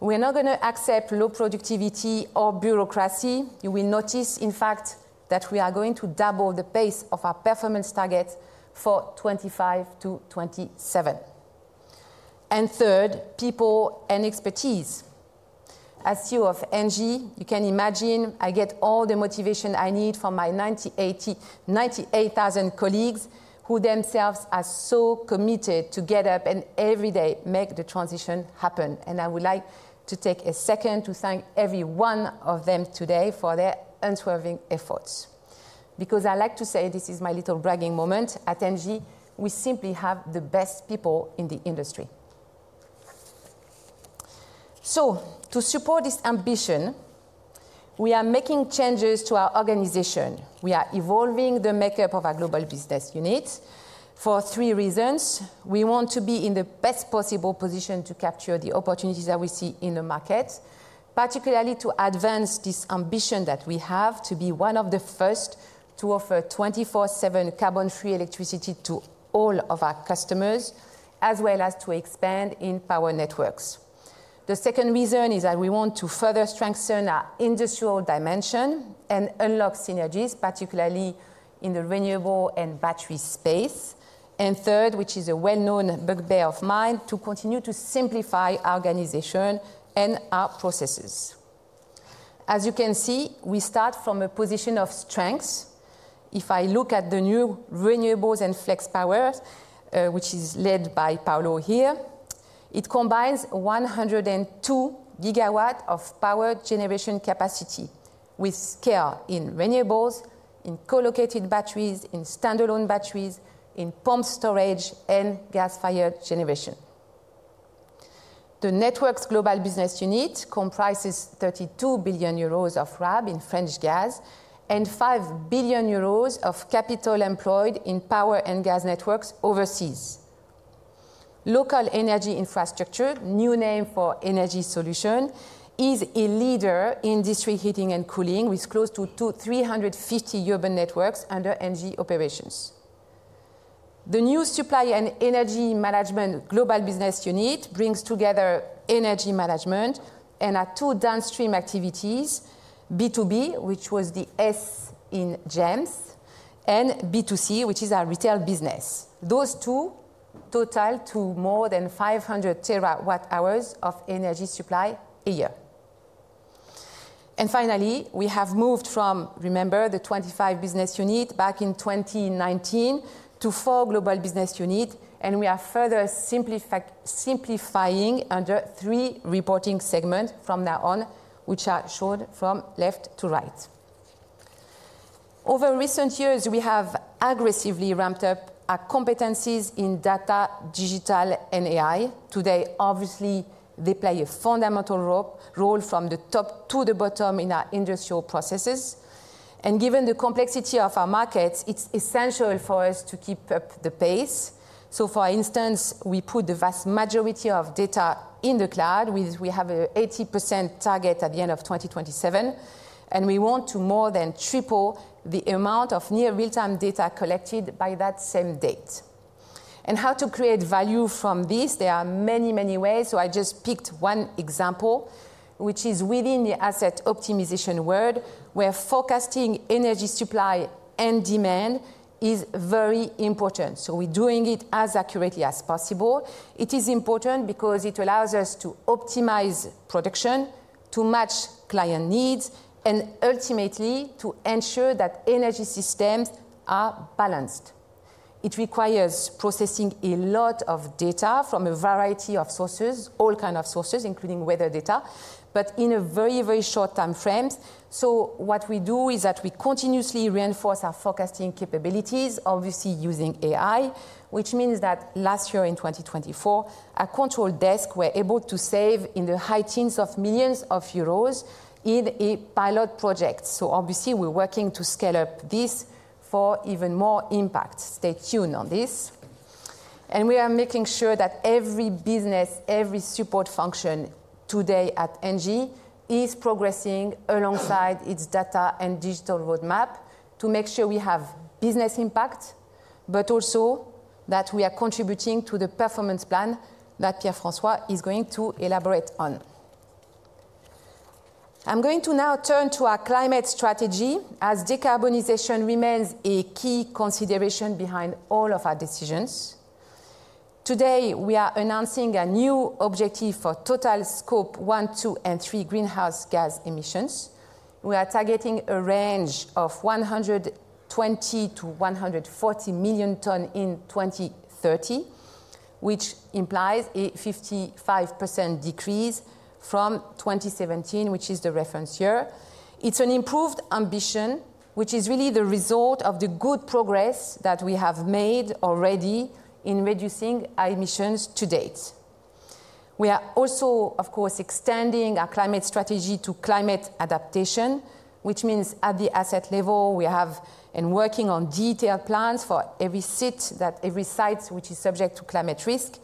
We are not going to accept low productivity or bureaucracy. You will notice, in fact, that we are going to double the pace of our performance target for 2025 to 2027. Third, people and expertise. As CEO of ENGIE, you can imagine I get all the motivation I need from my 98,000 colleagues who themselves are so committed to get up and every day make the transition happen. I would like to take a second to thank every one of them today for their unswerving efforts. Because I like to say, this is my little bragging moment at ENGIE, we simply have the best people in the industry. To support this ambition, we are making changes to our organization. We are evolving the makeup of our Global Business Unit for three reasons. We want to be in the best possible position to capture the opportunities that we see in the market, particularly to advance this ambition that we have to be one of the first to offer 24/7 carbon-free electricity to all of our customers, as well as to expand in power networks. The second reason is that we want to further strengthen our industrial dimension and unlock synergies, particularly in the renewable and battery space, and third, which is a well-known bugbear of mine, to continue to simplify our organization and our processes. As you can see, we start from a position of strength. If I look at the new Renewables and Flex Power, which is led by Paulo here, it combines 102 GW of power generation capacity with scale in renewables, in co-located batteries, in standalone batteries, in pump storage, and gas-fired generation. The Network's Global Business Unit comprises 32 billion euros of RAB in French gas and 5 billion euros of capital employed in power and gas networks overseas. Local Energy Infrastructures, new name for Energy Solutions, is a leader in district heating and cooling with close to 350 urban networks under ENGIE operations. The new Supply and Energy Management Global Business Unit brings together Energy Management and our two downstream activities, B2B, which was the S in GEMS, and B2C, which is our Retail business. Those two total to more than 500 TWh of energy supply a year. And finally, we have moved from, remember, the 25 Business Units back in 2019 to four Global Business Units, and we are further simplifying under three reporting segments from now on, which are shown from left to right. Over recent years, we have aggressively ramped up our competencies in data, digital, and AI. Today, obviously, they play a fundamental role from the top to the bottom in our industrial processes. And given the complexity of our markets, it's essential for us to keep up the pace. So for instance, we put the vast majority of data in the cloud. We have an 80% target at the end of 2027, and we want to more than triple the amount of near real-time data collected by that same date. And how to create value from this? There are many, many ways. So I just picked one example, which is within the asset optimization world, where forecasting energy supply and demand is very important. So we're doing it as accurately as possible. It is important because it allows us to optimize production, to match client needs, and ultimately to ensure that energy systems are balanced. It requires processing a lot of data from a variety of sources, all kinds of sources, including weather data, but in a very, very short time frame. So what we do is that we continuously reinforce our forecasting capabilities, obviously using AI, which means that last year in 2024, a control desk were able to save in the high teens of millions of euros in a pilot project. So obviously, we're working to scale up this for even more impact. Stay tuned on this. And we are making sure that every business, every support function today at ENGIE is progressing alongside its data and digital roadmap to make sure we have business impact, but also that we are contributing to the performance plan that Pierre-François is going to elaborate on. I'm going to now turn to our climate strategy as decarbonization remains a key consideration behind all of our decisions. Today, we are announcing a new objective for total Scope 1, 2, and 3 greenhouse gas emissions. We are targeting a range of 120 million to 140 million tons in 2030, which implies a 55% decrease from 2017, which is the reference year. It's an improved ambition, which is really the result of the good progress that we have made already in reducing our emissions to date. We are also, of course, extending our climate strategy to climate adaptation, which means at the asset level, we have been working on detailed plans for every site which is subject to climate risk,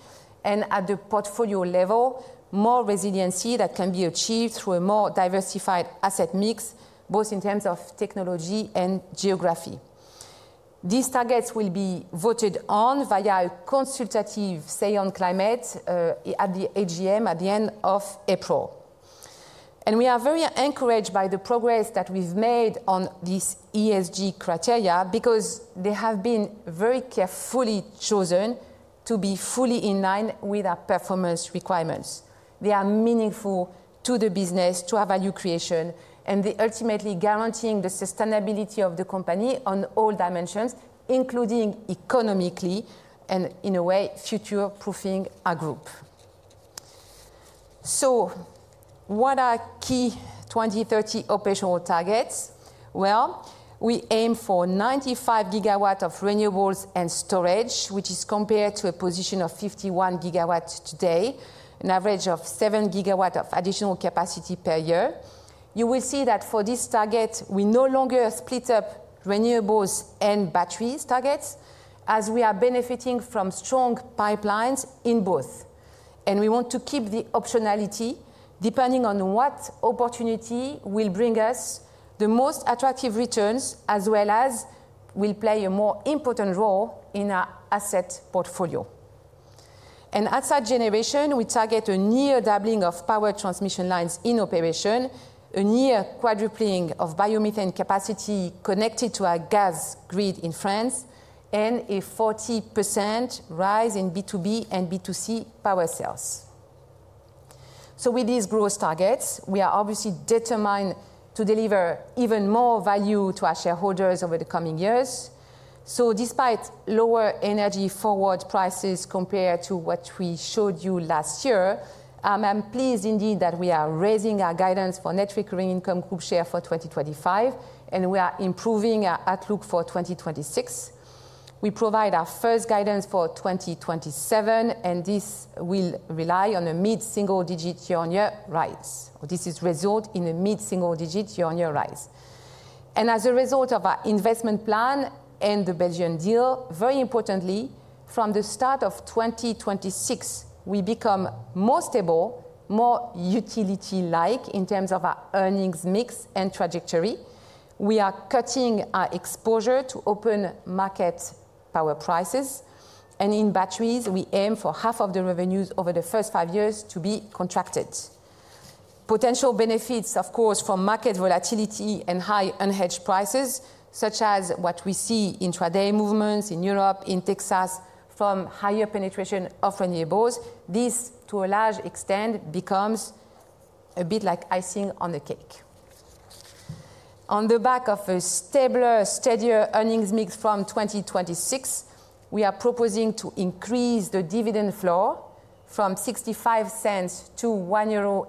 and at the portfolio level, more resiliency that can be achieved through a more diversified asset mix, both in terms of technology and geography. These targets will be voted on via a consultative Say on Climate at the AGM at the end of April. We are very encouraged by the progress that we've made on these ESG criteria because they have been very carefully chosen to be fully in line with our performance requirements. They are meaningful to the business, to our value creation, and they ultimately guarantee the sustainability of the company on all dimensions, including economically and in a way future-proofing our group. What are key 2030 operational targets? We aim for 95 GW of renewables and storage, which is compared to a position of 51 GW today, an average of 7 GW of additional capacity per year. You will see that for this target, we no longer split up renewables and batteries targets as we are benefiting from strong pipelines in both. We want to keep the optionality depending on what opportunity will bring us the most attractive returns, as well as will play a more important role in our asset portfolio. And asset generation, we target a near doubling of power transmission lines in operation, a near quadrupling of biomethane capacity connected to our gas grid in France, and a 40% rise in B2B and B2C power sales. With these growth targets, we are obviously determined to deliver even more value to our shareholders over the coming years. Despite lower energy forward prices compared to what we showed you last year, I'm pleased indeed that we are raising our guidance for Net Recurring Income, Group share, for 2025, and we are improving our outlook for 2026. We provide our first guidance for 2027, and this will rely on a mid-single-digit year-on-year rise. This is resulting in a mid-single-digit year-on-year rise. As a result of our investment plan and the Belgian deal, very importantly, from the start of 2026, we become more stable, more utility-like in terms of our earnings mix and trajectory. We are cutting our exposure to open market power prices. In batteries, we aim for half of the revenues over the first five years to be contracted. Potential benefits, of course, from market volatility and high unhedged prices, such as what we see in trade movements in Europe, in Texas from higher penetration of renewables. This, to a large extent, becomes a bit like icing on the cake. On the back of a stabler, steadier earnings mix from 2026, we are proposing to increase the dividend floor from 0.65 to 1.10 euro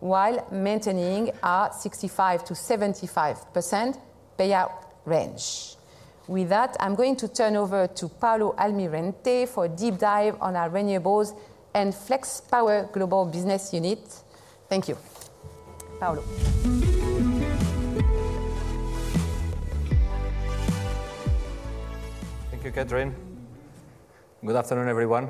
while maintaining our 65%-75% payout range. With that, I'm going to turn over to Paulo Almirante for a deep dive on our Renewables and Flex Power Global Business Unit. Thank you, Paulo. Thank you, Catherine. Good afternoon, everyone.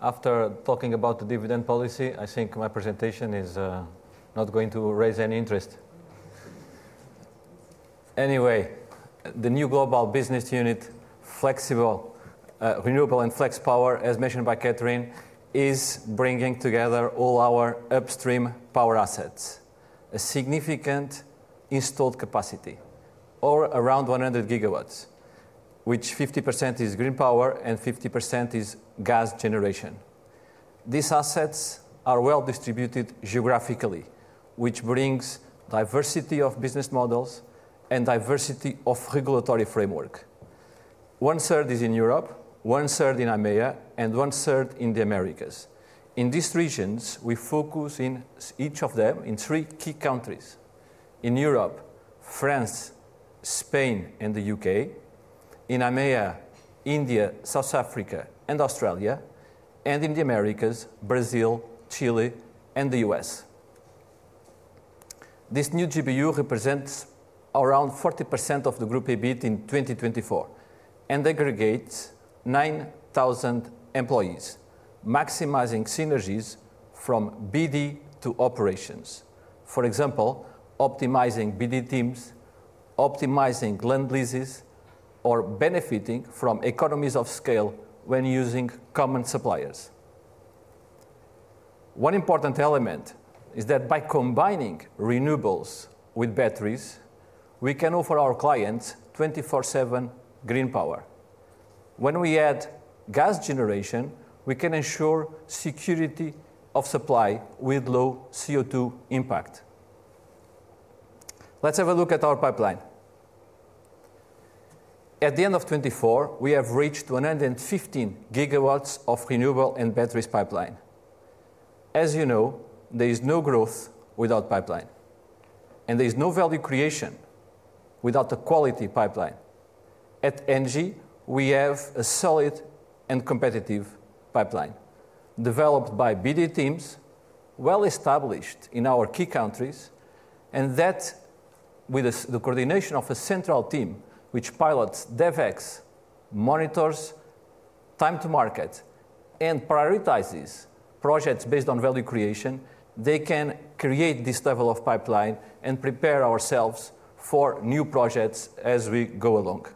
After talking about the dividend policy, I think my presentation is not going to raise any interest. Anyway, the new Global Business Unit, Flexibles, Renewables and Flex Power, as mentioned by Catherine, is bringing together all our upstream power assets, a significant installed capacity of around 100 GW, which 50% is green power and 50% is gas generation. These assets are well distributed geographically, which brings diversity of business models and diversity of regulatory framework. 1/3 is in Europe, 1/3 in AMEA, and1/3 in the Americas. In these regions, we focus in each of them in three key countries. In Europe, France, Spain, and the U.K. In AMEA, India, South Africa, and Australia. In the Americas, Brazil, Chile, and the U.S. This new GBU represents around 40% of the group EBIT in 2024 and aggregates 9,000 employees, maximizing synergies from BD to operations. For example, optimizing BD teams, optimizing land leases, or benefiting from economies of scale when using common suppliers. One important element is that by combining renewables with batteries, we can offer our clients 24/7 green power. When we add gas generation, we can ensure security of supply with low CO2 impact. Let's have a look at our pipeline. At the end of 2024, we have reached 115 GW of renewable and batteries pipeline. As you know, there is no growth without pipeline, and there is no value creation without a quality pipeline. At ENGIE, we have a solid and competitive pipeline developed by BD teams, well established in our key countries, and that with the coordination of a central team which pilots DevEx, monitors time to market, and prioritizes projects based on value creation, they can create this level of pipeline and prepare ourselves for new projects as we go along.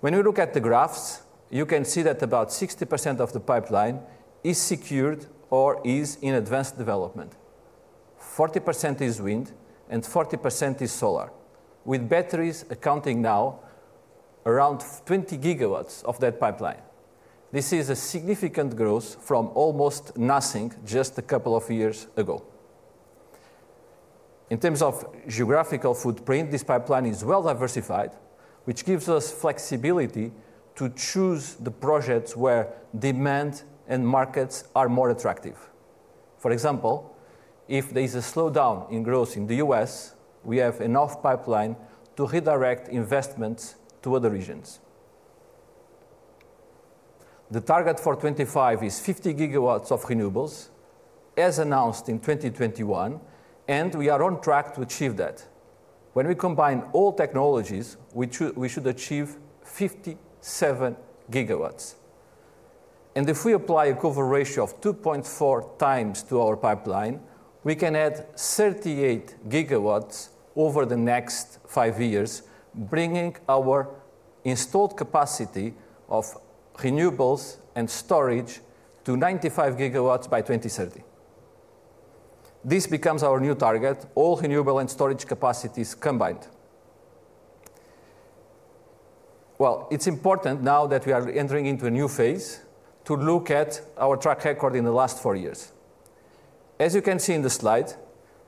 When we look at the graphs, you can see that about 60% of the pipeline is secured or is in advanced development. 40% is wind and 40% is solar, with batteries accounting now around 20 GW of that pipeline. This is a significant growth from almost nothing just a couple of years ago. In terms of geographical footprint, this pipeline is well diversified, which gives us flexibility to choose the projects where demand and markets are more attractive. For example, if there is a slowdown in growth in the US, we have enough pipeline to redirect investments to other regions. The target for 2025 is 50 GW of renewables, as announced in 2021, and we are on track to achieve that. When we combine all technologies, we should achieve 57 GW. And if we apply a cover ratio of 2.4x to our pipeline, we can add 38 GW over the next five years, bringing our installed capacity of renewables and storage to 95 GW by 2030. This becomes our new target, all renewable and storage capacities combined. It's important now that we are entering into a new phase to look at our track record in the last four years. As you can see in the slide,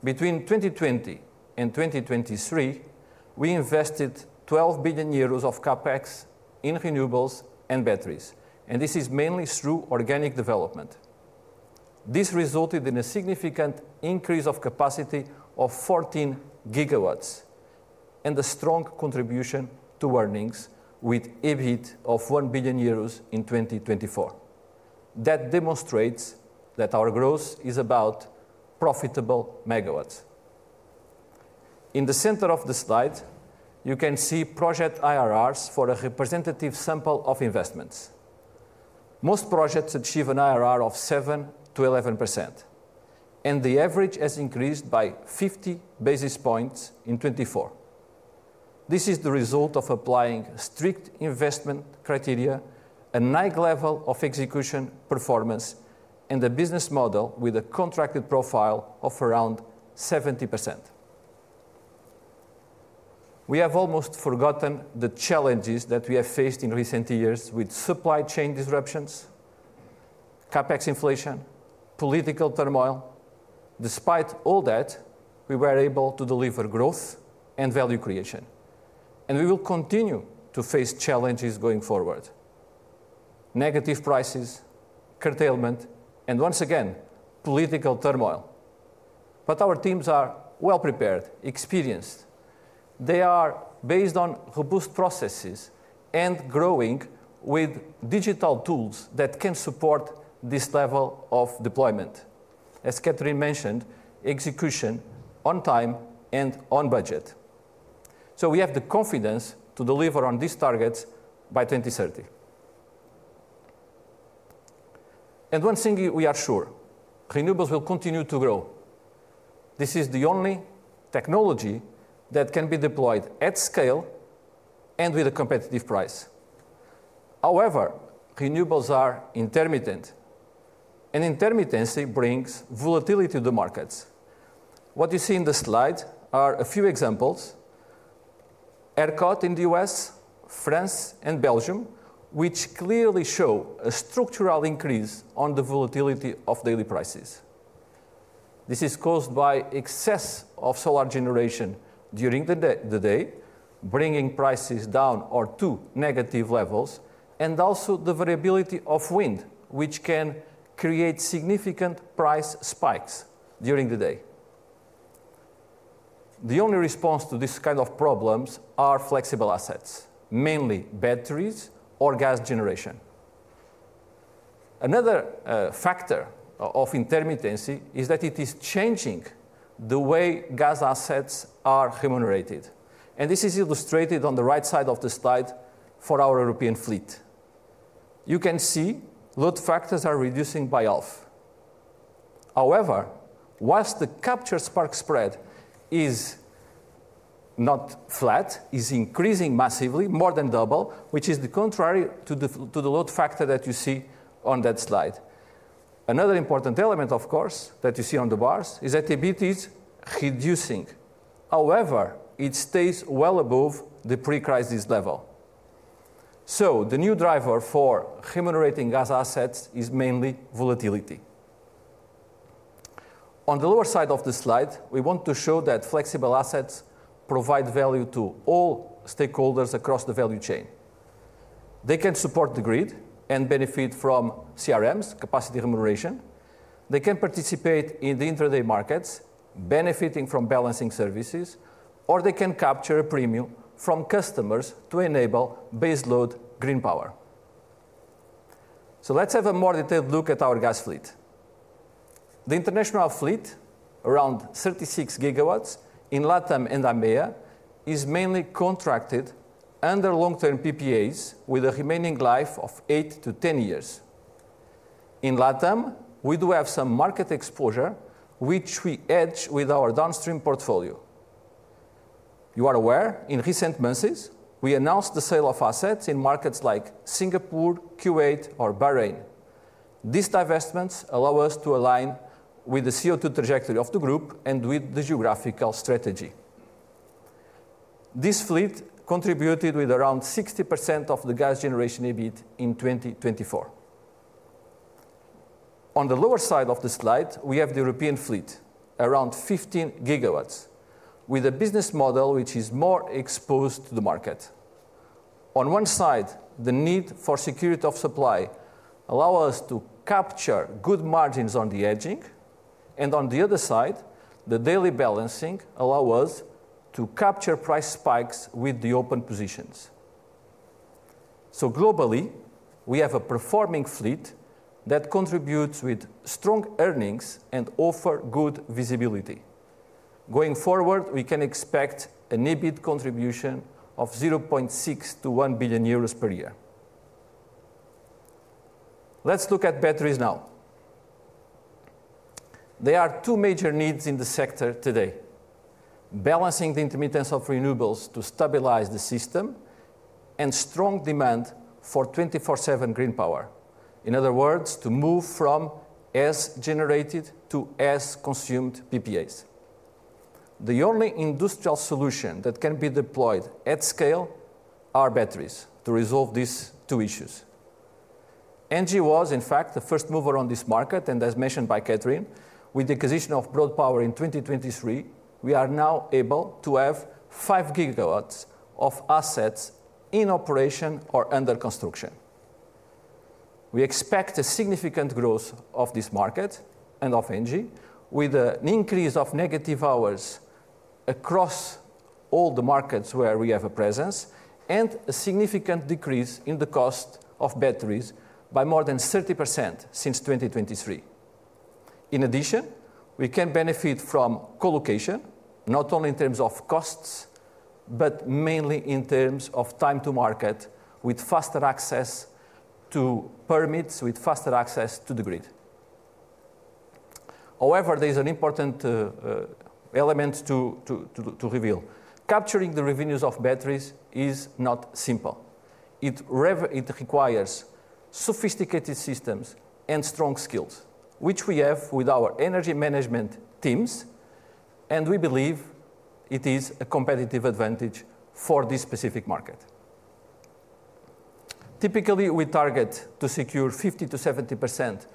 between 2020 and 2023, we invested 12 billion euros of CapEx in renewables and batteries, and this is mainly through organic development. This resulted in a significant increase of capacity of 14 GW and a strong contribution to earnings with EBIT of 1 billion euros in 2024. That demonstrates that our growth is about profitable megawatts. In the center of the slide, you can see project IRRs for a representative sample of investments. Most projects achieve an IRR of 7% to 11%, and the average has increased by 50 basis points in 2024. This is the result of applying strict investment criteria, a high level of execution performance, and a business model with a contracted profile of around 70%. We have almost forgotten the challenges that we have faced in recent years with supply chain disruptions, CapEx inflation, political turmoil. Despite all that, we were able to deliver growth and value creation, and we will continue to face challenges going forward: negative prices, curtailment, and once again, political turmoil, but our teams are well prepared, experienced. They are based on robust processes and growing with digital tools that can support this level of deployment. As Catherine mentioned, execution on time and on budget, so we have the confidence to deliver on these targets by 2030, and one thing we are sure, renewables will continue to grow. This is the only technology that can be deployed at scale and with a competitive price. However, renewables are intermittent, and intermittency brings volatility to the markets. What you see in the slide are a few examples: ERCOT in the U.S., France, and Belgium, which clearly show a structural increase in the volatility of daily prices. This is caused by excess of solar generation during the day, bringing prices down or to negative levels, and also the variability of wind, which can create significant price spikes during the day. The only response to this kind of problems are flexible assets, mainly batteries or gas generation. Another factor of intermittency is that it is changing the way gas assets are remunerated, and this is illustrated on the right side of the slide for our European fleet. You can see load factors are reducing by half. However, while the capture spark spread is not flat, it is increasing massively, more than double, which is the contrary to the load factor that you see on that slide. Another important element, of course, that you see on the bars is that EBIT is reducing. However, it stays well above the pre-crisis level. So the new driver for remunerating gas assets is mainly volatility. On the lower side of the slide, we want to show that flexible assets provide value to all stakeholders across the value chain. They can support the grid and benefit from CRMs, capacity remuneration. They can participate in the intraday markets, benefiting from balancing services, or they can capture a premium from customers to enable base load green power. So let's have a more detailed look at our gas fleet. The international fleet, around 36 GW in LatAm and AMEA, is mainly contracted under long-term PPAs with a remaining life of 8-10 years. In LatAm, we do have some market exposure, which we hedge with our downstream portfolio. You are aware, in recent months, we announced the sale of assets in markets like Singapore, Kuwait, or Bahrain. These divestments allow us to align with the CO2 trajectory of the group and with the geographical strategy. This fleet contributed with around 60% of the gas generation EBIT in 2024. On the lower side of the slide, we have the European fleet, around 15 GW, with a business model which is more exposed to the market. On one side, the need for security of supply allows us to capture good margins on the hedging, and on the other side, the daily balancing allows us to capture price spikes with the open positions. So globally, we have a performing fleet that contributes with strong earnings and offers good visibility. Going forward, we can expect an EBIT contribution of 0.6 billion-1 billion euros per year. Let's look at batteries now. There are two major needs in the sector today: balancing the intermittency of renewables to stabilize the system and strong demand for 24/7 green power. In other words, to move from as generated to as consumed PPAs. The only industrial solution that can be deployed at scale are batteries to resolve these two issues. ENGIE was, in fact, the first mover on this market, and as mentioned by Catherine, with the acquisition of Broad Reach Power in 2023, we are now able to have 5 GW of assets in operation or under construction. We expect a significant growth of this market and of ENGIE, with an increase of negative hours across all the markets where we have a presence and a significant decrease in the cost of batteries by more than 30% since 2023. In addition, we can benefit from colocation, not only in terms of costs, but mainly in terms of time to market, with faster access to permits, with faster access to the grid. However, there is an important element to reveal. Capturing the revenues of batteries is not simple. It requires sophisticated systems and strong skills, which we have with our Energy Management teams, and we believe it is a competitive advantage for this specific market. Typically, we target to secure 50%-70%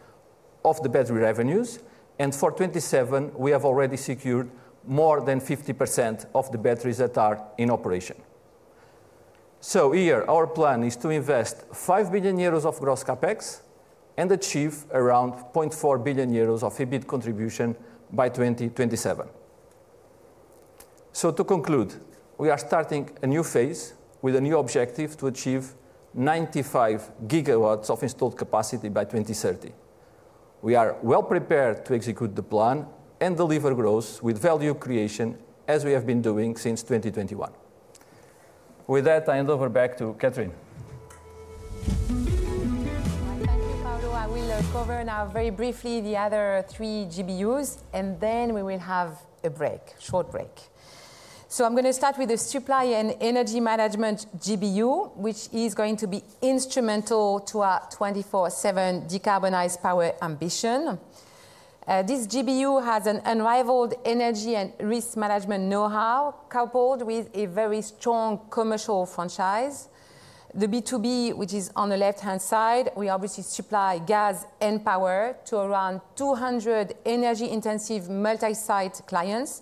of the battery revenues, and for 2027, we have already secured more than 50% of the batteries that are in operation. So here, our plan is to invest 5 billion euros of gross CapEx and achieve around 0.4 billion euros of EBIT contribution by 2027. So to conclude, we are starting a new phase with a new objective to achieve 95 GW of installed capacity by 2030. We are well prepared to execute the plan and deliver growth with value creation, as we have been doing since 2021. With that, I hand over back to Catherine. Thank you, Paulo. I will cover now very briefly the other three GBUs, and then we will have a break, short break. So I'm going to start with the Supply and Energy Management GBU, which is going to be instrumental to our 24/7 decarbonized power ambition. This GBU has an unrivaled energy and risk management know-how, coupled with a very strong commercial franchise. The B2B, which is on the left-hand side, we obviously supply gas and power to around 200 energy-intensive multi-site clients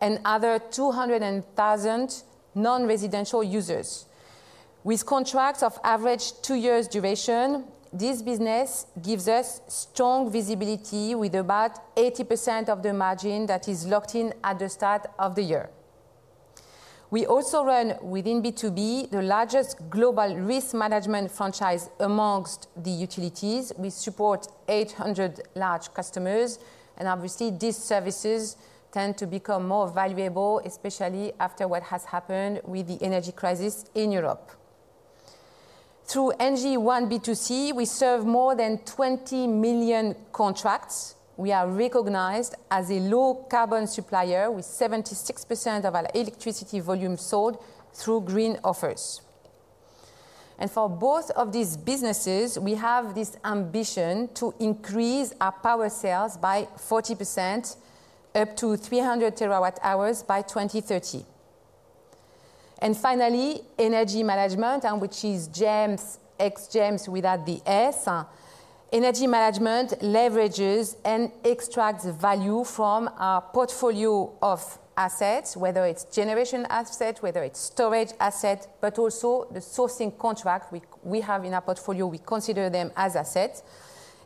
and other 200,000 non-residential users. With contracts of average two years' duration, this business gives us strong visibility with about 80% of the margin that is locked in at the start of the year. We also run within B2B the largest global risk management franchise among the utilities. We support 800 large customers, and obviously, these services tend to become more valuable, especially after what has happened with the energy crisis in Europe. Through our B2C, we serve more than 20 million contracts. We are recognized as a low-carbon supplier with 76% of our electricity volume sold through green offers, and for both of these businesses, we have this ambition to increase our power sales by 40%, up to 300 terawatt-hours by 2030, and finally, Energy Management, which is GEMS, ex-GEM without the S. Energy Management leverages and extracts value from our portfolio of assets, whether it's generation assets, whether it's storage assets, but also the sourcing contracts we have in our portfolio. We consider them as assets,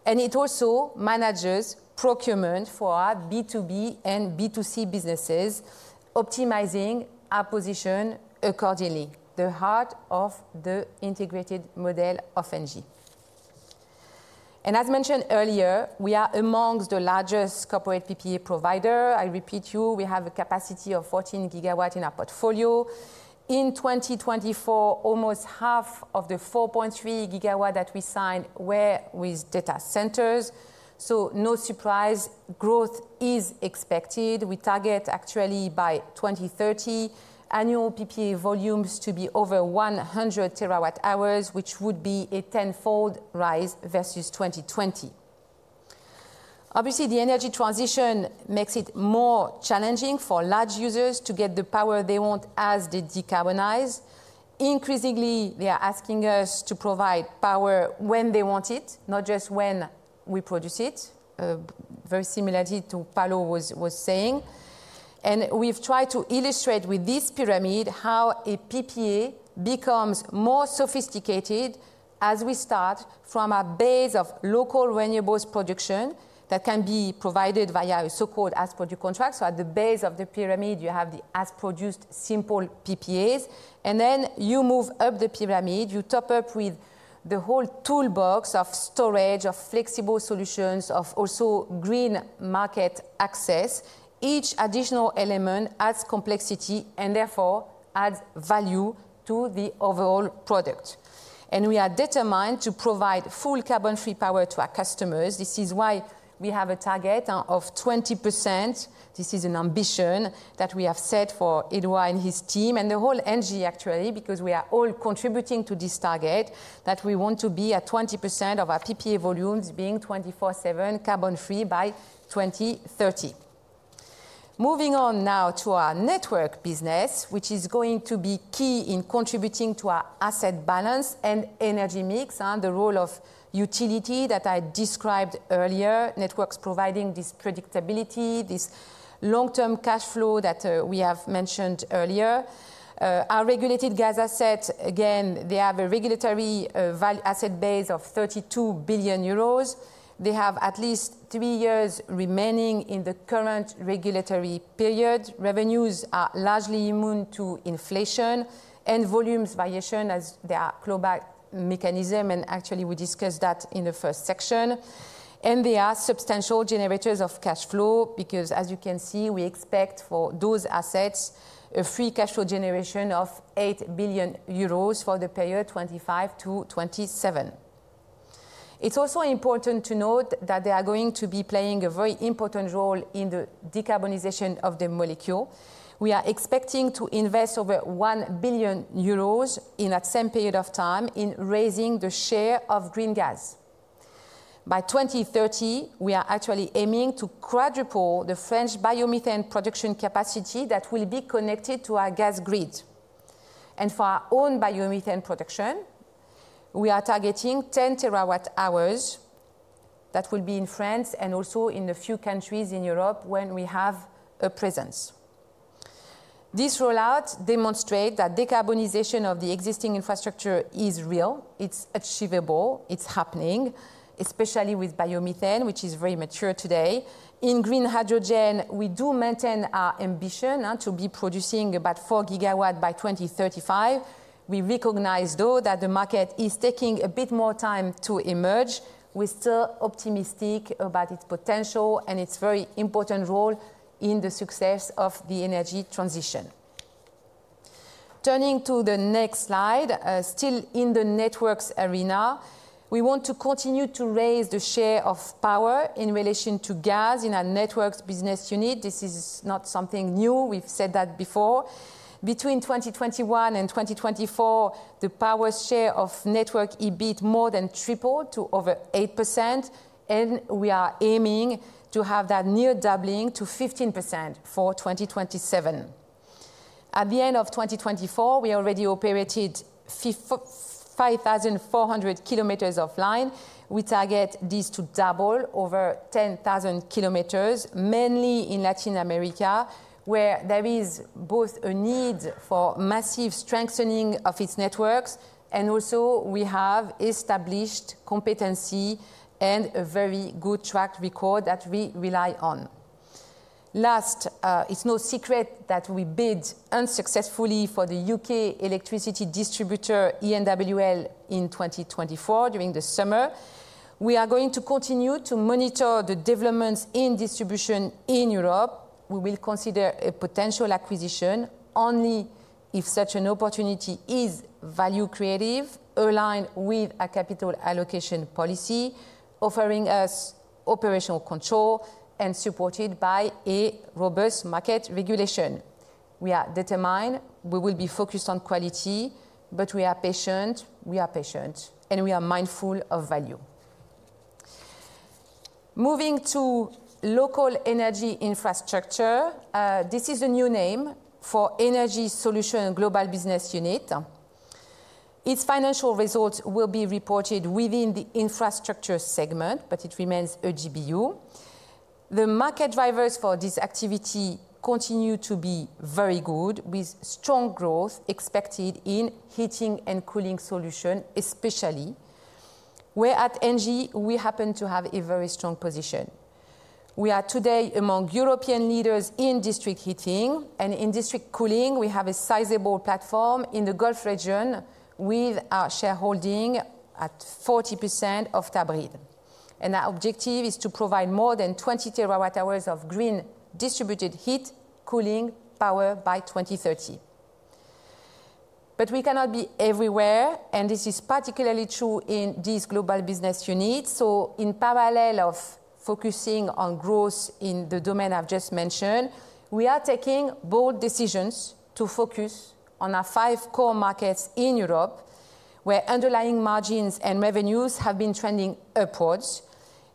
and it also manages procurement for our B2B and B2C businesses, optimizing our position accordingly. The heart of the integrated model of ENGIE, and as mentioned earlier, we are amongst the largest corporate PPA providers. I repeat to you, we have a capacity of 14 GW in our portfolio. In 2024, almost half of the 4.3 GW that we signed were with data centers. So no surprise, growth is expected. We target actually by 2030 annual PPA volumes to be over 100 TWh, which would be a tenfold rise versus 2020. Obviously, the energy transition makes it more challenging for large users to get the power they want as they decarbonize. Increasingly, they are asking us to provide power when they want it, not just when we produce it, very similar to what Paulo was saying. And we've tried to illustrate with this pyramid how a PPA becomes more sophisticated as we start from a base of local renewables production that can be provided via a so-called as-produced contract. So at the base of the pyramid, you have the as-produced simple PPAs, and then you move up the pyramid, you top up with the whole toolbox of storage, of flexible solutions, of also green market access. Each additional element adds complexity and therefore adds value to the overall product. And we are determined to provide full carbon-free power to our customers. This is why we have a target of 20%. This is an ambition that we have set for Édouard and his team and the whole GEMS, actually, because we are all contributing to this target that we want to be at 20% of our PPA volumes being 24/7 carbon-free by 2030. Moving on now to our Network business, which is going to be key in contributing to our asset balance and energy mix, the role of utility that I described earlier, Networks providing this predictability, this long-term cash flow that we have mentioned earlier. Our regulated gas assets, again, they have a regulatory asset base of 32 billion euros. They have at least three years remaining in the current regulatory period. Revenues are largely immune to inflation and volumes variation as their clawback mechanism, and actually, we discussed that in the first section, and they are substantial generators of cash flow because, as you can see, we expect for those assets a free cash flow generation of 8 billion euros for the period 2025 to 2027. It's also important to note that they are going to be playing a very important role in the decarbonization of the molecule. We are expecting to invest over 1 billion euros in that same period of time in raising the share of green gas. By 2030, we are actually aiming to quadruple the French biomethane production capacity that will be connected to our gas grid, and for our own biomethane production, we are targeting 10 TWh that will be in France and also in a few countries in Europe when we have a presence. This rollout demonstrates that decarbonization of the existing infrastructure is real. It's achievable. It's happening, especially with biomethane, which is very mature today. In green hydrogen, we do maintain our ambition to be producing about 4 GW by 2035. We recognize, though, that the market is taking a bit more time to emerge. We're still optimistic about its potential and its very important role in the success of the energy transition. Turning to the next slide, still in the networks arena, we want to continue to raise the share of power in relation to gas in our Networks business unit. This is not something new. We've said that before. Between 2021 and 2024, the power share of Networks EBIT more than tripled to over 8%, and we are aiming to have that near doubling to 15% for 2027. At the end of 2024, we already operated 5,400 km of line. We target this to double over 10,000 km, mainly in Latin America, where there is both a need for massive strengthening of its networks, and also we have established competency and a very good track record that we rely on. Last, it's no secret that we bid unsuccessfully for the U.K. electricity distributor, ENWL, in 2024 during the summer. We are going to continue to monitor the developments in distribution in Europe. We will consider a potential acquisition only if such an opportunity is value-creative, aligned with our capital allocation policy, offering us operational control and supported by a robust market regulation. We are determined we will be focused on quality, but we are patient. We are patient, and we are mindful of value. Moving to Local Energy Infrastructures, this is the new name for Energy Solutions Global Business Unit. Its financial results will be reported within the Infrastructure segment, but it remains a GBU. The market drivers for this activity continue to be very good, with strong growth expected in heating and cooling solutions, especially. Where at ENGIE, we happen to have a very strong position. We are today among European leaders in district heating, and in district cooling, we have a sizable platform in the Gulf region with our shareholding at 40% of Tabreed. Our objective is to provide more than 20 TWh of green distributed heat, cooling, power by 2030. But we cannot be everywhere, and this is particularly true in this Global Business Units. So in parallel of focusing on growth in the domain I've just mentioned, we are taking bold decisions to focus on our five core markets in Europe, where underlying margins and revenues have been trending upwards,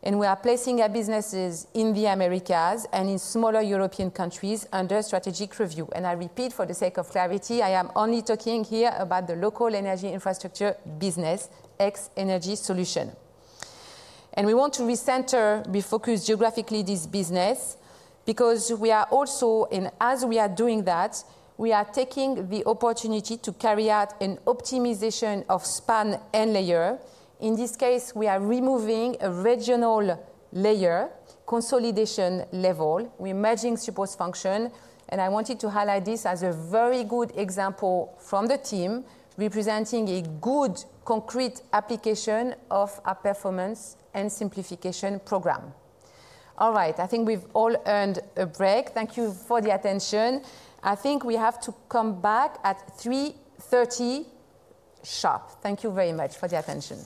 and we are placing our businesses in the Americas and in smaller European countries under strategic review. And I repeat for the sake of clarity, I am only talking here about the Local Energy Infrastructure business, ex-Energy Solutions. And we want to recenter, refocus geographically this business because we are also, and as we are doing that, we are taking the opportunity to carry out an optimization of span and layer. In this case, we are removing a regional layer consolidation level. We're merging support function, and I wanted to highlight this as a very good example from the team representing a good concrete application of our performance and simplification program. All right, I think we've all earned a break. Thank you for the attention. I think we have to come back at 3:30 P.M. sharp. Thank you very much for the attention.